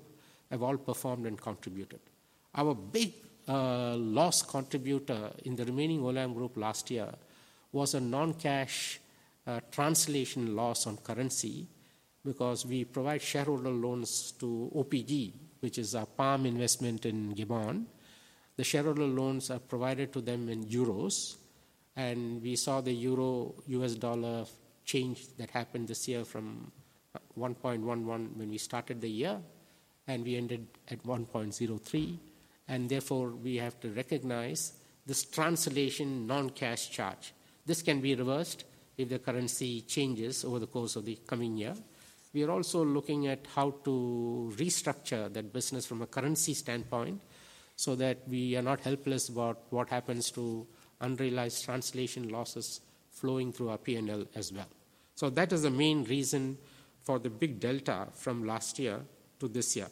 have all performed and contributed. Our big loss contributor in the Remaining Olam Group last year was a non-cash translation loss on currency because we provide shareholder loans to OPG, which is our palm investment in Gabon. The shareholder loans are provided to them in Euros, and we saw the Euro-U.S. dollar change that happened this year from 1.11 when we started the year, and we ended at 1.03, and therefore, we have to recognize this translation non-cash charge. This can be reversed if the currency changes over the course of the coming year. We are also looking at how to restructure that business from a currency standpoint so that we are not helpless about what happens to unrealized translation losses flowing through our P&L as well. So that is the main reason for the big delta from last year to this year.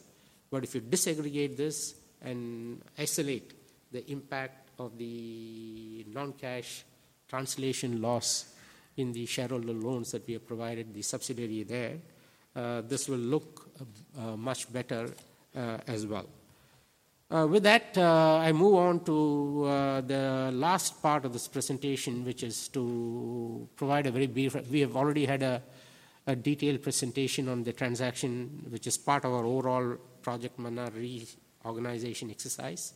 But if you disaggregate this and isolate the impact of the non-cash translation loss in the shareholder loans that we have provided, the subsidiary there, this will look much better as well. With that, I move on to the last part of this presentation, which is to provide a very brief, we have already had a detailed presentation on the transaction, which is part of our overall Project Manna Reorganization Exercise.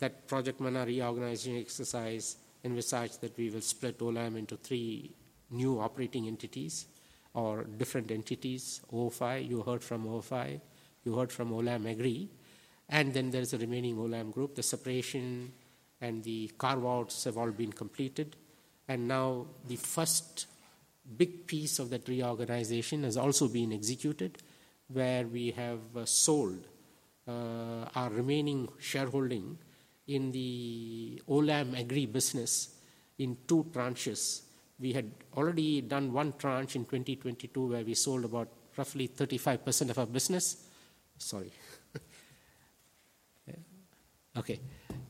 That Project Manna Reorganization Exercise emphasized that we will split Olam into three new operating entities or different entities: OFI, You Heard from OFI, You Heard from Olam Agri. And then there's the Remaining Olam Group. The separation and the carve-outs have all been completed. And now the first big piece of that reorganization has also been executed, where we have sold our remaining shareholding in the Olam Agri business in two tranches. We had already done one tranche in 2022, where we sold about roughly 35% of our business. Sorry. Okay.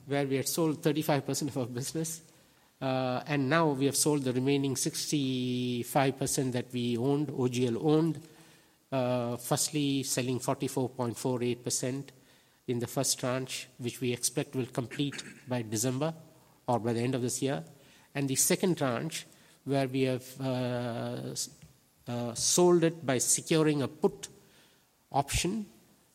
Where we had sold 35% of our business. And now we have sold the remaining 65% that we owned, OGL owned, firstly selling 44.48% in the first tranche, which we expect will complete by December or by the end of this year. The second tranche, where we have sold it by securing a put option,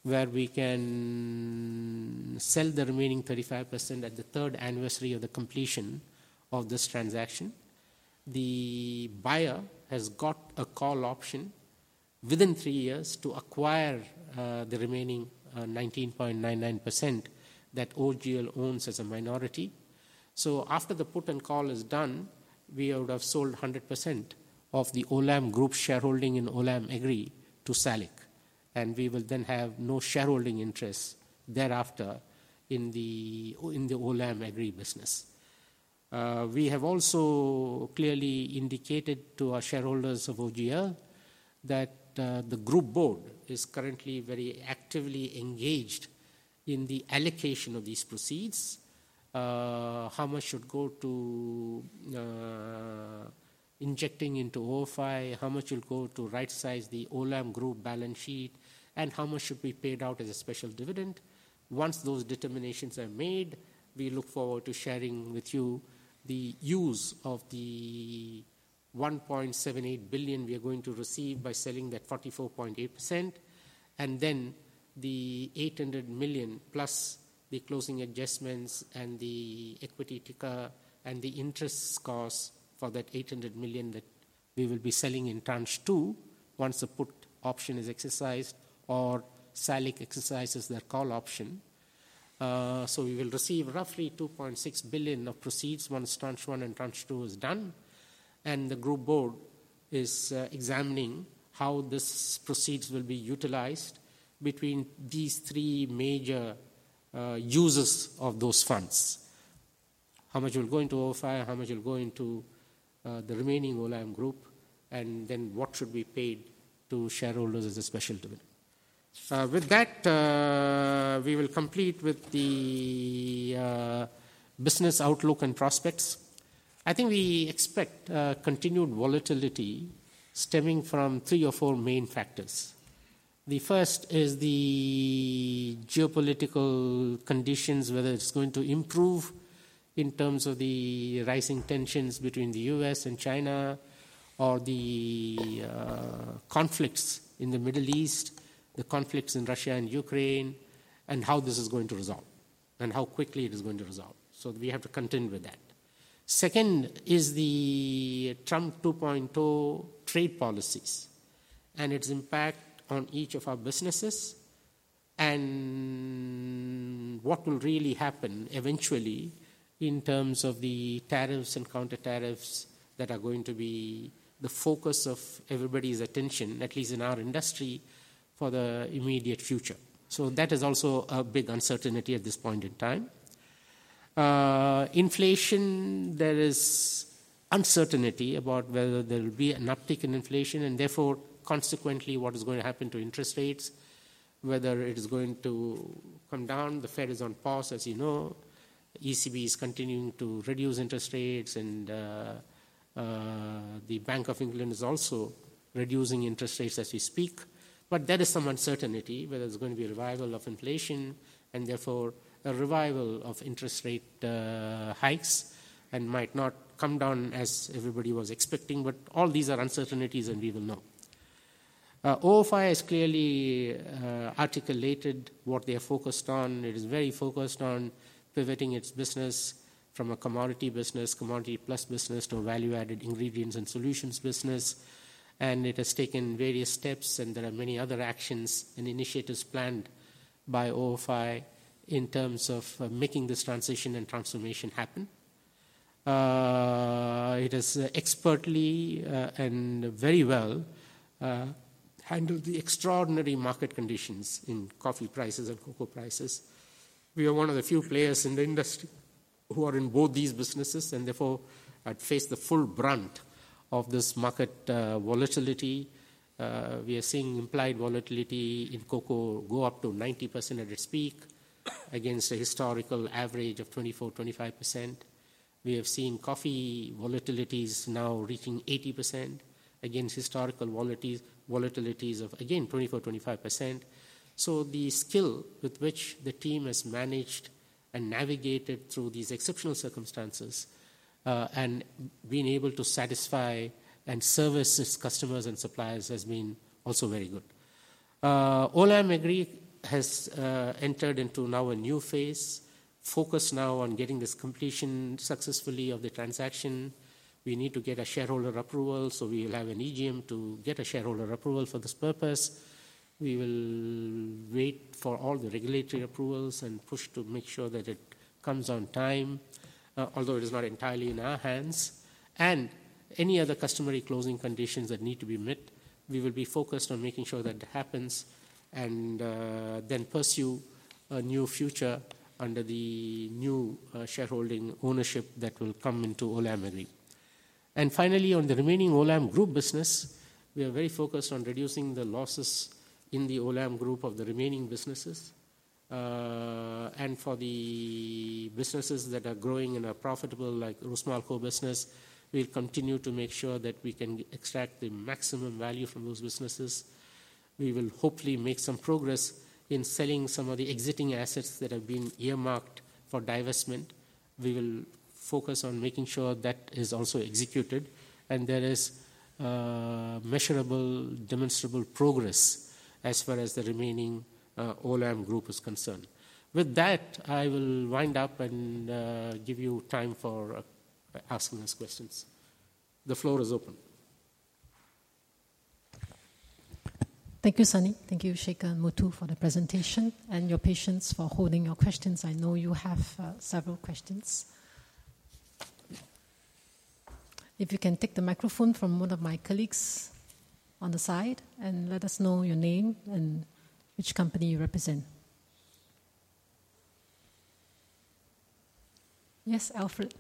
where we can sell the remaining 35% at the third anniversary of the completion of this transaction. The buyer has got a call option within three years to acquire the remaining 19.99% that OGL owns as a minority. So after the put and call is done, we would have sold 100% of the Olam Group shareholding in Olam Agri to SALIC. And we will then have no shareholding interests thereafter in the Olam Agri business. We have also clearly indicated to our shareholders of OGL that the group board is currently very actively engaged in the allocation of these proceeds, how much should go to injecting into OFI, how much should go to right-size the Olam Group balance sheet, and how much should be paid out as a special dividend. Once those determinations are made, we look forward to sharing with you the use of the $1.78 billion we are going to receive by selling that 44.8%. Then the $800 million plus the closing adjustments and the equity kicker and the interest costs for that $800 million that we will be selling in tranche two once the put option is exercised or SALIC exercises their call option, so we will receive roughly $2.6 billion of proceeds once tranche one and tranche two is done. The group board is examining how these proceeds will be utilized between these three major users of those funds: how much will go into OFI, how much will go into the Remaining Olam Group, and then what should be paid to shareholders as a special dividend. With that, we will complete with the business outlook and prospects. I think we expect continued volatility stemming from three or four main factors. The first is the geopolitical conditions, whether it's going to improve in terms of the rising tensions between the U.S. and China or the conflicts in the Middle East, the conflicts in Russia and Ukraine, and how this is going to resolve and how quickly it is going to resolve. So we have to contend with that. Second is the Trump 2.0 trade policies and its impact on each of our businesses and what will really happen eventually in terms of the tariffs and counter tariffs that are going to be the focus of everybody's attention, at least in our industry, for the immediate future. So that is also a big uncertainty at this point in time. Inflation. There is uncertainty about whether there will be an uptick in inflation and therefore, consequently, what is going to happen to interest rates, whether it is going to come down. The Fed is on pause, as you know. ECB is continuing to reduce interest rates, and the Bank of England is also reducing interest rates as we speak. But there is some uncertainty whether there's going to be a revival of inflation and therefore a revival of interest rate hikes and might not come down as everybody was expecting. But all these are uncertainties, and we will know. OFI has clearly articulated what they are focused on. It is very focused on pivoting its business from a commodity business, commodity plus business to a value-added ingredients and solutions business. It has taken various steps, and there are many other actions and initiatives planned by OFI in terms of making this transition and transformation happen. It has expertly and very well handled the extraordinary market conditions in coffee prices and cocoa prices. We are one of the few players in the industry who are in both these businesses, and therefore have faced the full brunt of this market volatility. We are seeing implied volatility in cocoa go up to 90% at its peak against a historical average of 24%-25%. We have seen coffee volatilities now reaching 80% against historical volatilities of, again, 24%-25%. So the skill with which the team has managed and navigated through these exceptional circumstances and been able to satisfy and service its customers and suppliers has been also very good. Olam Agri has entered into now a new phase, focused now on getting this completion successfully of the transaction. We need to get a shareholder approval, so we will have an EGM to get a shareholder approval for this purpose. We will wait for all the regulatory approvals and push to make sure that it comes on time, although it is not entirely in our hands, and any other customary closing conditions that need to be met, we will be focused on making sure that it happens and then pursue a new future under the new shareholding ownership that will come into Olam Agri, and finally, on the Remaining Olam Group business, we are very focused on reducing the losses in the Olam Group of the remaining businesses. For the businesses that are growing and are profitable, like Rusmolco business, we'll continue to make sure that we can extract the maximum value from those businesses. We will hopefully make some progress in selling some of the existing assets that have been earmarked for divestment. We will focus on making sure that is also executed, and there is measurable, demonstrable progress as far as the Remaining Olam Group is concerned. With that, I will wind up and give you time for asking us questions. The floor is open. Thank you, Sunny. Thank you, Shekhar, Muthu, for the presentation and your patience for holding your questions. I know you have several questions. If you can take the microphone from one of my colleagues on the side and let us know your name and which company you represent. Yes, Alfred.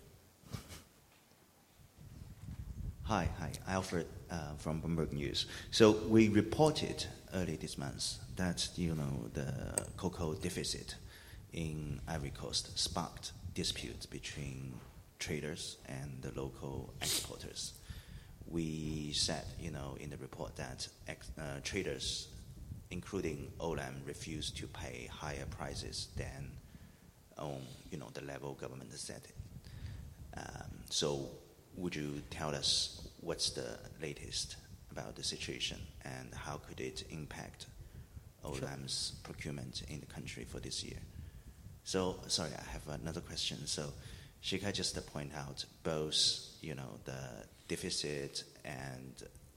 Hi, hi. Alfred from Bloomberg News. We reported early this month that the cocoa deficit in Ivory Coast sparked disputes between traders and the local agricultures. We said in the report that traders, including Olam, refused to pay higher prices than the level the government set. Would you tell us what's the latest about the situation and how could it impact Olam's procurement in the country for this year? Sorry, I have another question. Shekhar just pointed out both the deficit and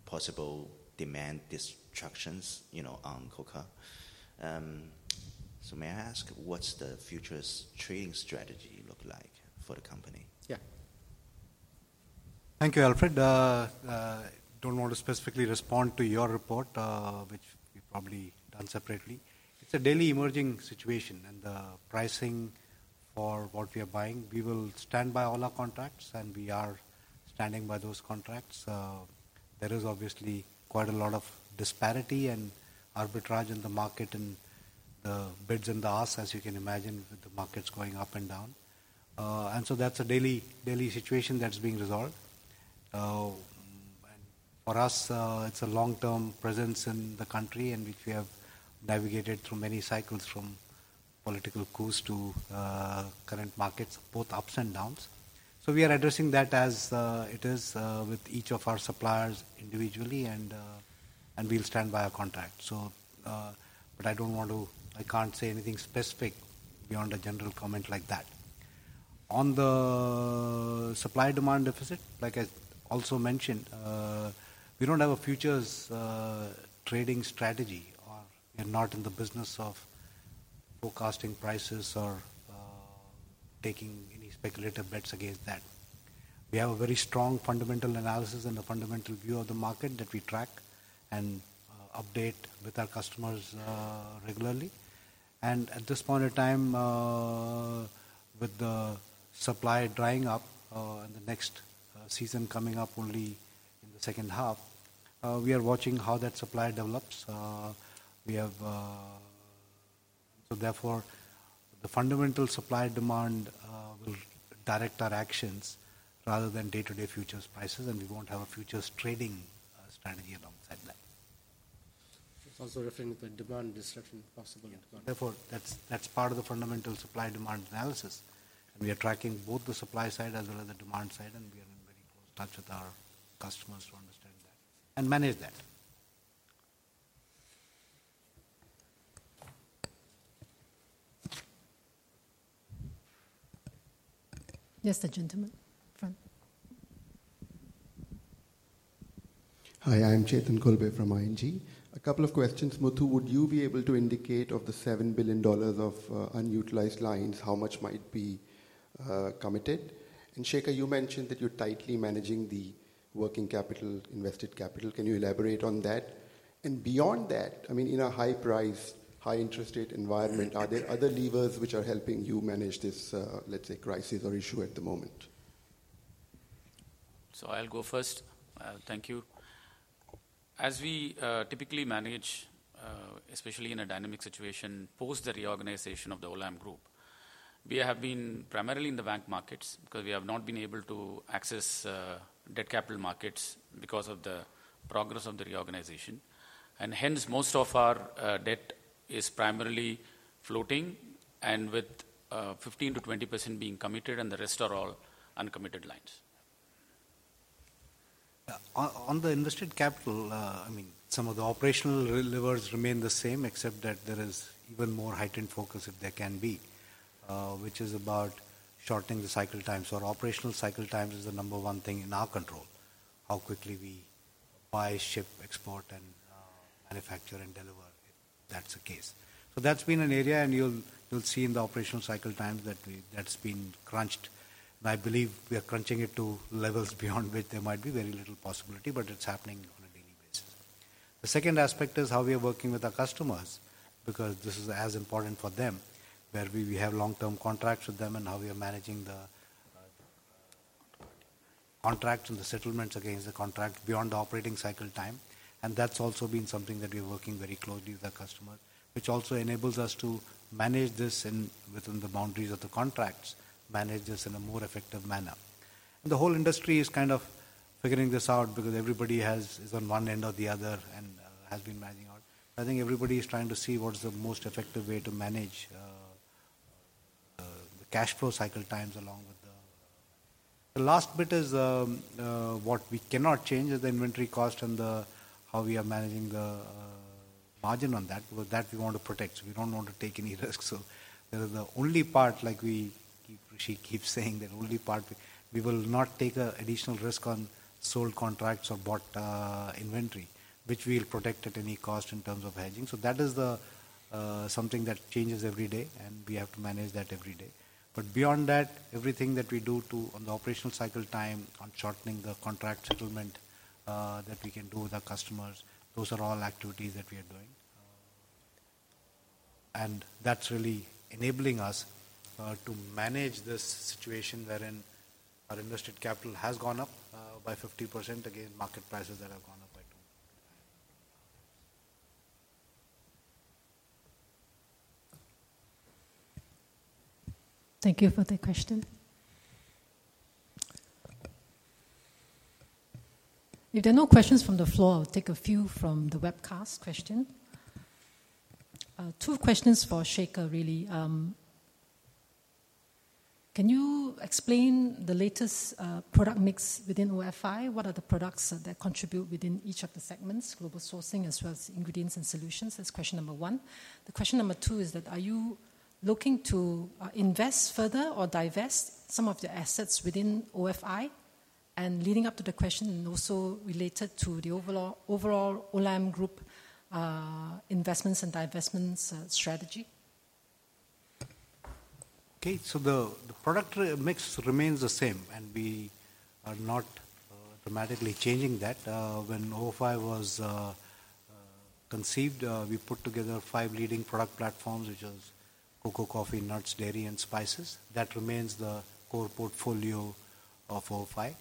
possible demand destruction on cocoa. May I ask, what's the futures trading strategy look like for the company? Yeah. Thank you, Alfred. I don't want to specifically respond to your report, which we probably do separately. It's a daily emerging situation, and the pricing for what we are buying, we will stand by all our contracts, and we are standing by those contracts. There is obviously quite a lot of disparity and arbitrage in the market and the bids and the asks, as you can imagine, with the markets going up and down, and so that's a daily situation that's being resolved, and for us, it's a long-term presence in the country, and we have navigated through many cycles from political coups to current markets, both ups and downs, so we are addressing that as it is with each of our suppliers individually, and we'll stand by our contract, but I don't want to, I can't say anything specific beyond a general comment like that. On the supply-demand deficit, like I also mentioned, we don't have a futures trading strategy, or we're not in the business of forecasting prices or taking any speculative bets against that. We have a very strong fundamental analysis and a fundamental view of the market that we track and update with our customers regularly. And at this point in time, with the supply drying up and the next season coming up only in the second half, we are watching how that supply develops. So therefore, the fundamental supply-demand will direct our actions rather than day-to-day futures prices, and we won't have a futures trading strategy alongside that. Also referring to the demand disruption possible. Therefore, that's part of the fundamental supply-demand analysis. And we are tracking both the supply side as well as the demand side, and we are in very close touch with our customers to understand that and manage that. Yes, the gentleman from. Hi, I'm Chetan Khulbe from ING. A couple of questions. Muthu, would you be able to indicate of the $7 billion of unutilized lines, how much might be committed? And Shekhar, you mentioned that you're tightly managing the working capital, invested capital. Can you elaborate on that? And beyond that, I mean, in a high-priced, high-interest rate environment, are there other levers which are helping you manage this, let's say, crisis or issue at the moment? I'll go first. Thank you. As we typically manage, especially in a dynamic situation post the reorganization of the Olam Group, we have been primarily in the bank markets because we have not been able to access debt capital markets because of the progress of the reorganization. Hence, most of our debt is primarily floating and with 15%-20% being committed and the rest are all uncommitted lines. On the invested capital, I mean, some of the operational levers remain the same, except that there is even more heightened focus if there can be, which is about shortening the cycle times. So our operational cycle times is the number one thing in our control, how quickly we buy, ship, export, and manufacture and deliver if that's the case. So that's been an area, and you'll see in the operational cycle times that that's been crunched. And I believe we are crunching it to levels beyond which there might be very little possibility, but it's happening on a daily basis. The second aspect is how we are working with our customers because this is as important for them, where we have long-term contracts with them and how we are managing the contracts and the settlements against the contract beyond the operating cycle time. That's also been something that we are working very closely with our customers, which also enables us to manage this within the boundaries of the contracts, manage this in a more effective manner. The whole industry is kind of figuring this out because everybody is on one end or the other and has been managing all. I think everybody is trying to see what is the most effective way to manage the cash flow cycle times along with the. The last bit is what we cannot change is the inventory cost and how we are managing the margin on that because that we want to protect. We don't want to take any risk. So there is the only part, like she keeps saying, the only part we will not take additional risk on sold contracts or bought inventory, which we will protect at any cost in terms of hedging. So that is something that changes every day, and we have to manage that every day. But beyond that, everything that we do on the operational cycle time, on shortening the contract settlement that we can do with our customers, those are all activities that we are doing. And that's really enabling us to manage this situation wherein our invested capital has gone up by 50%. Again, market prices that have gone up by 20%. Thank you for the question. If there are no questions from the floor, I'll take a few from the webcast question. Two questions for Shekhar, really. Can you explain the latest product mix within OFI? What are the products that contribute within each of the segments, global sourcing as well as ingredients and solutions? That's question number one. The question number two is that are you looking to invest further or divest some of your assets within OFI? And leading up to the question and also related to the overall Olam Group investments and divestments strategy. Okay, so the product mix remains the same, and we are not dramatically changing that. When OFI was conceived, we put together five leading product platforms, which are cocoa, coffee, nuts, dairy, and spices. That remains the core portfolio of OFI.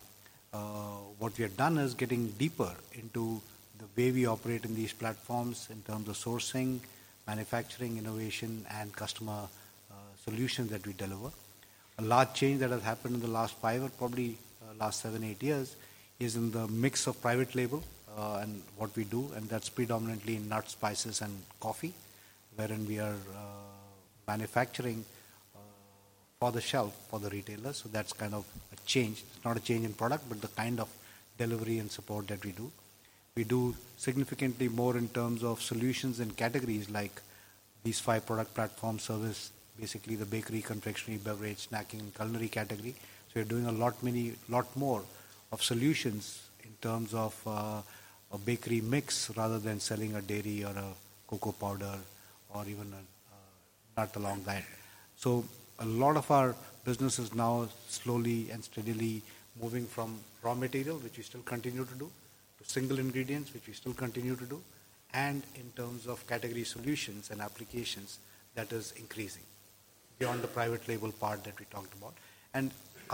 What we have done is getting deeper into the way we operate in these platforms in terms of sourcing, manufacturing, innovation, and customer solutions that we deliver. A large change that has happened in the last five or probably last seven, eight years is in the mix of private label and what we do, and that's predominantly nuts, spices, and coffee, wherein we are manufacturing for the shelf, for the retailers. So that's kind of a change. It's not a change in product, but the kind of delivery and support that we do. We do significantly more in terms of solutions and categories like these five product platforms, service, basically the bakery, confectionery, beverage, snacking, culinary category. So we're doing a lot more of solutions in terms of a bakery mix rather than selling a dairy or a cocoa powder or even a nut along that. A lot of our business is now slowly and steadily moving from raw material, which we still continue to do, to single ingredients, which we still continue to do. In terms of category solutions and applications, that is increasing beyond the private label part that we talked about.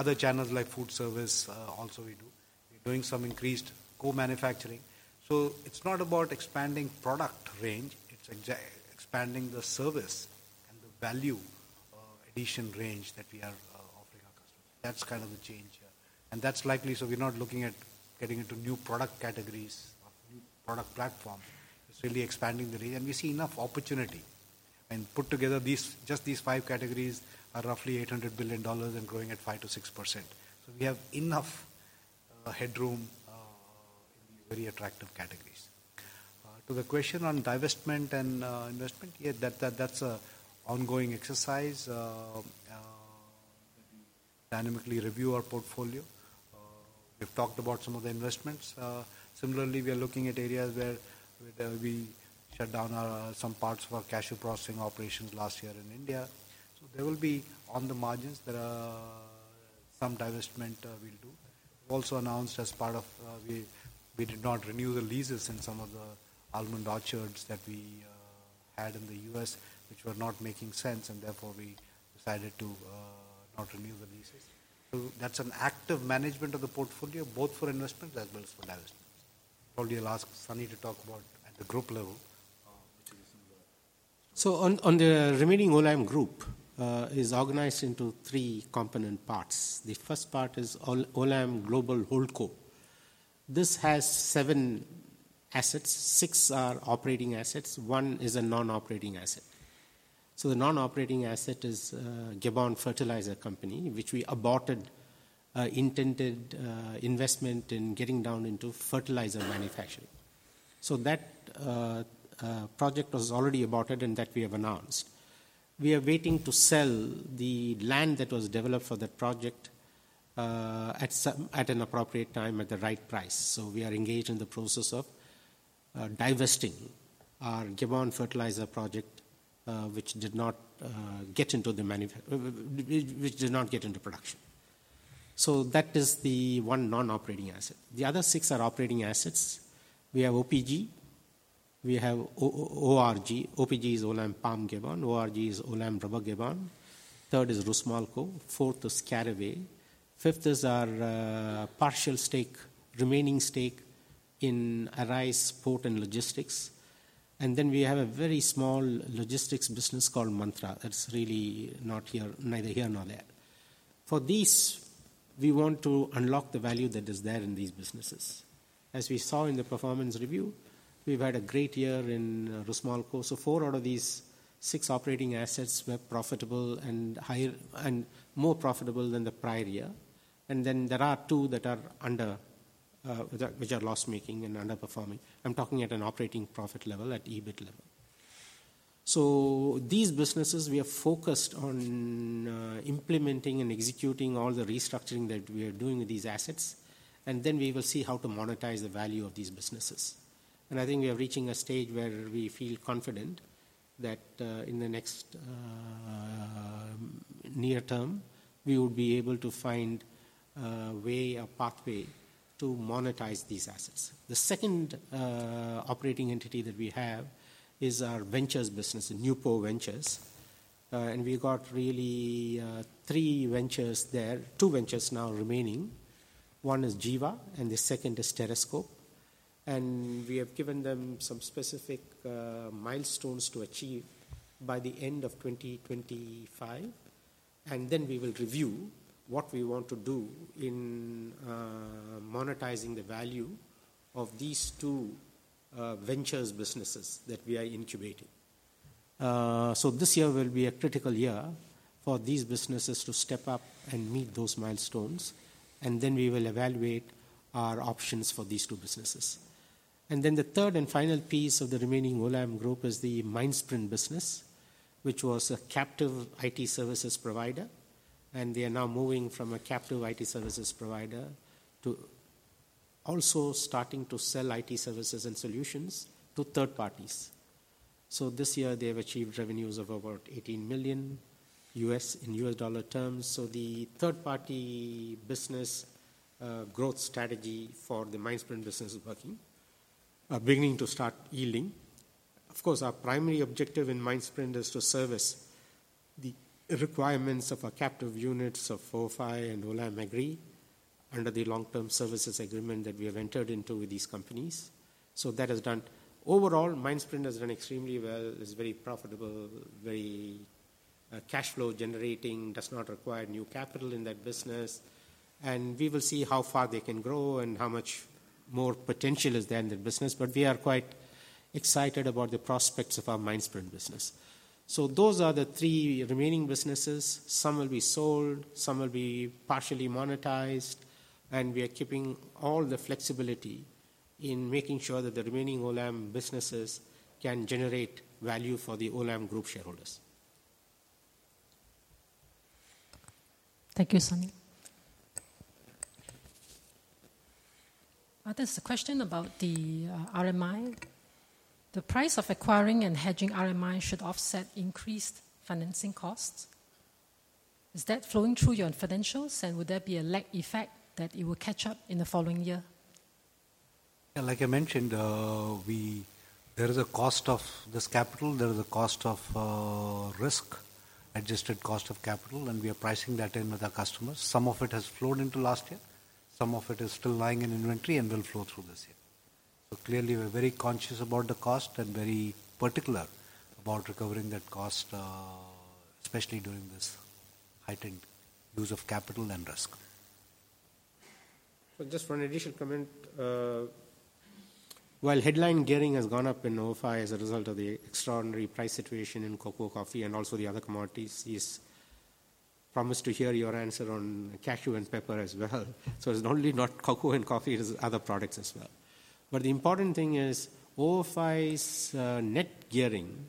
Other channels like food service also we do. We're doing some increased co-manufacturing. It's not about expanding product range. It's expanding the service and the value addition range that we are offering our customers. That's kind of the change here. That's likely, so we're not looking at getting into new product categories or new product platforms. It's really expanding the range. We see enough opportunity. Put together, just these five categories are roughly $800 billion and growing at 5%-6%. We have enough headroom in the very attractive categories. To the question on divestment and investment, yeah, that's an ongoing exercise. We dynamically review our portfolio. We've talked about some of the investments. Similarly, we are looking at areas where we shut down some parts of our cashew processing operations last year in India. So there will be on the margins that some divestment we'll do. We also announced as part of we did not renew the leases in some of the almond orchards that we had in the U.S., which were not making sense, and therefore we decided to not renew the leases. So that's an active management of the portfolio, both for investments as well as for divestments. Probably I'll ask Sunny to talk about at the group level, which is a similar. So on the Remaining Olam Group, it is organized into three component parts. The first part is Olam Global Holdco. This has seven assets. Six are operating assets. One is a non-operating asset. So the non-operating asset is Gabon Fertilizer Company, which we aborted intended investment in getting down into fertilizer manufacturing. So that project was already aborted and that we have announced. We are waiting to sell the land that was developed for the project at an appropriate time at the right price. So we are engaged in the process of divesting our Gabon Fertilizer project, which did not get into the manufacturing, which did not get into production. So that is the one non-operating asset. The other six are operating assets. We have OPG. We have ORG. OPG is Olam Palm Gabon. ORG is Olam Rubber Gabon. Third is Rusmolco. Fourth is Caraway. Fifth is our Partial Stake, remaining stake in ARISE Ports & Logistics. And then we have a very small logistics business called Mantra. That's really not here, neither here nor there. For these, we want to unlock the value that is there in these businesses. As we saw in the performance review, we've had a great year in Rusmolco. So four out of these six operating assets were profitable and more profitable than the prior year. And then there are two that are under, which are loss-making and underperforming. I'm talking at an operating profit level, at EBIT level. So these businesses, we are focused on implementing and executing all the restructuring that we are doing with these assets. And then we will see how to monetize the value of these businesses. And I think we are reaching a stage where we feel confident that in the next near term, we would be able to find a way, a pathway to monetize these assets. The second operating entity that we have is our ventures business, Nupo Ventures, and we got really three ventures there, two ventures now remaining. One is Jiva Ventures, and the second is Terrascope Ventures, and we have given them some specific milestones to achieve by the end of 2025, and then we will review what we want to do in monetizing the value of these two ventures businesses that we are incubating, so this year will be a critical year for these businesses to step up and meet those milestones, and then we will evaluate our options for these two businesses, and then the third and final piece of the Remaining Olam Group is the Mindsprint business, which was a captive IT services provider, and they are now moving from a captive IT services provider to also starting to sell IT services and solutions to third parties. This year, they have achieved revenues of about $18 million in US dollar terms. The third-party business growth strategy for the Mindsprint business is working, beginning to start yielding. Of course, our primary objective in Mindsprint is to service the requirements of our captive units of OFI and Olam Agri under the long-term services agreement that we have entered into with these companies. That has been done. Overall, Mindsprint has done extremely well. It's very profitable, very cash flow generating, does not require new capital in that business. We will see how far they can grow and how much more potential is there in the business. We are quite excited about the prospects of our Mindsprint business. Those are the three remaining businesses. Some will be sold, some will be partially monetized. We are keeping all the flexibility in making sure that the Remaining Olam businesses can generate value for the Olam Group shareholders. Thank you, Sunny. There's a question about the RMI. The price of acquiring and hedging RMI should offset increased financing costs. Is that flowing through your financials, and would there be a lag effect that it will catch up in the following year? Like I mentioned, there is a cost of this capital. There is a cost of risk, adjusted cost of capital, and we are pricing that in with our customers. Some of it has flowed into last year. Some of it is still lying in inventory and will flow through this year. Clearly, we're very conscious about the cost and very particular about recovering that cost, especially during this heightened use of capital and risk. Just one additional comment. While headline gearing has gone up in OFI as a result of the extraordinary price situation in cocoa, coffee, and also the other commodities, he's promised to hear your answer on cashew and pepper as well. So it's not only not cocoa and coffee, it's other products as well. But the important thing is OFI's net gearing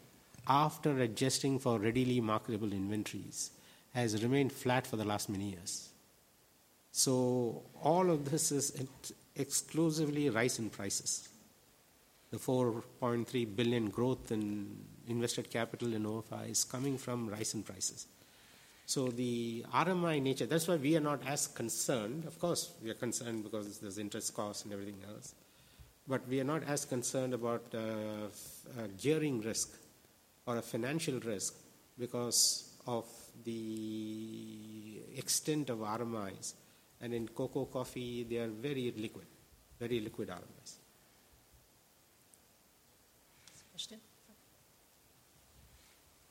after adjusting for readily marketable inventories has remained flat for the last many years. So all of this is exclusively rise in prices. The $4.3 billion growth in invested capital in OFI is coming from rise in prices. So the RMI nature, that's why we are not as concerned. Of course, we are concerned because there's interest costs and everything else. But we are not as concerned about gearing risk or a financial risk because of the extent of RMIs. And in cocoa, coffee, they are very liquid, very liquid RMIs.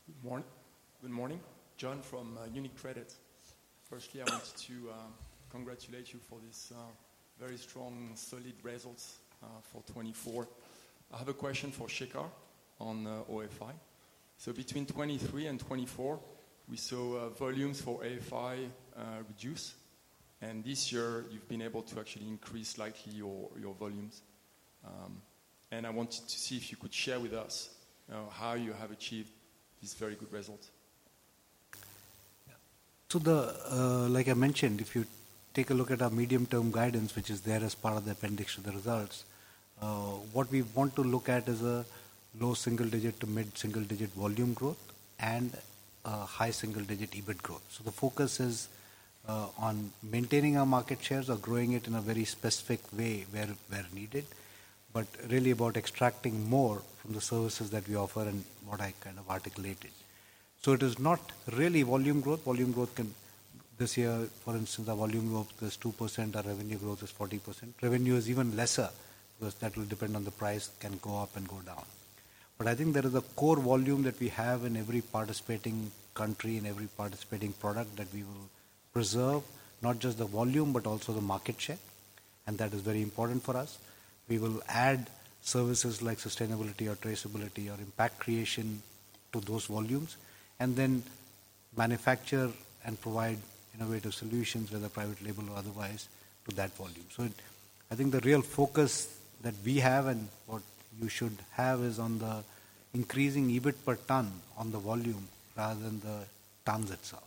Good morning. Good morning. John from UniCredit. Firstly, I want to congratulate you for these very strong, solid results for 2024. I have a question for Shekhar on OFI. So between 2023 and 2024, we saw volumes for OFI reduce. And this year, you've been able to actually increase slightly your volumes. And I wanted to see if you could share with us how you have achieved these very good results. Like I mentioned, if you take a look at our medium-term guidance, which is there as part of the appendix to the results, what we want to look at is a low single-digit to mid-single-digit volume growth and high single-digit EBIT growth. So the focus is on maintaining our market shares or growing it in a very specific way where needed, but really about extracting more from the services that we offer and what I kind of articulated. So it is not really volume growth. Volume growth can this year, for instance, our volume growth is 2%. Our revenue growth is 40%. Revenue is even lesser because that will depend on the price can go up and go down. But I think there is a core volume that we have in every participating country, in every participating product that we will preserve, not just the volume, but also the market share. And that is very important for us. We will add services like sustainability or traceability or impact creation to those volumes and then manufacture and provide innovative solutions, whether private label or otherwise, to that volume. So I think the real focus that we have and what you should have is on the increasing EBIT per ton on the volume rather than the tons itself.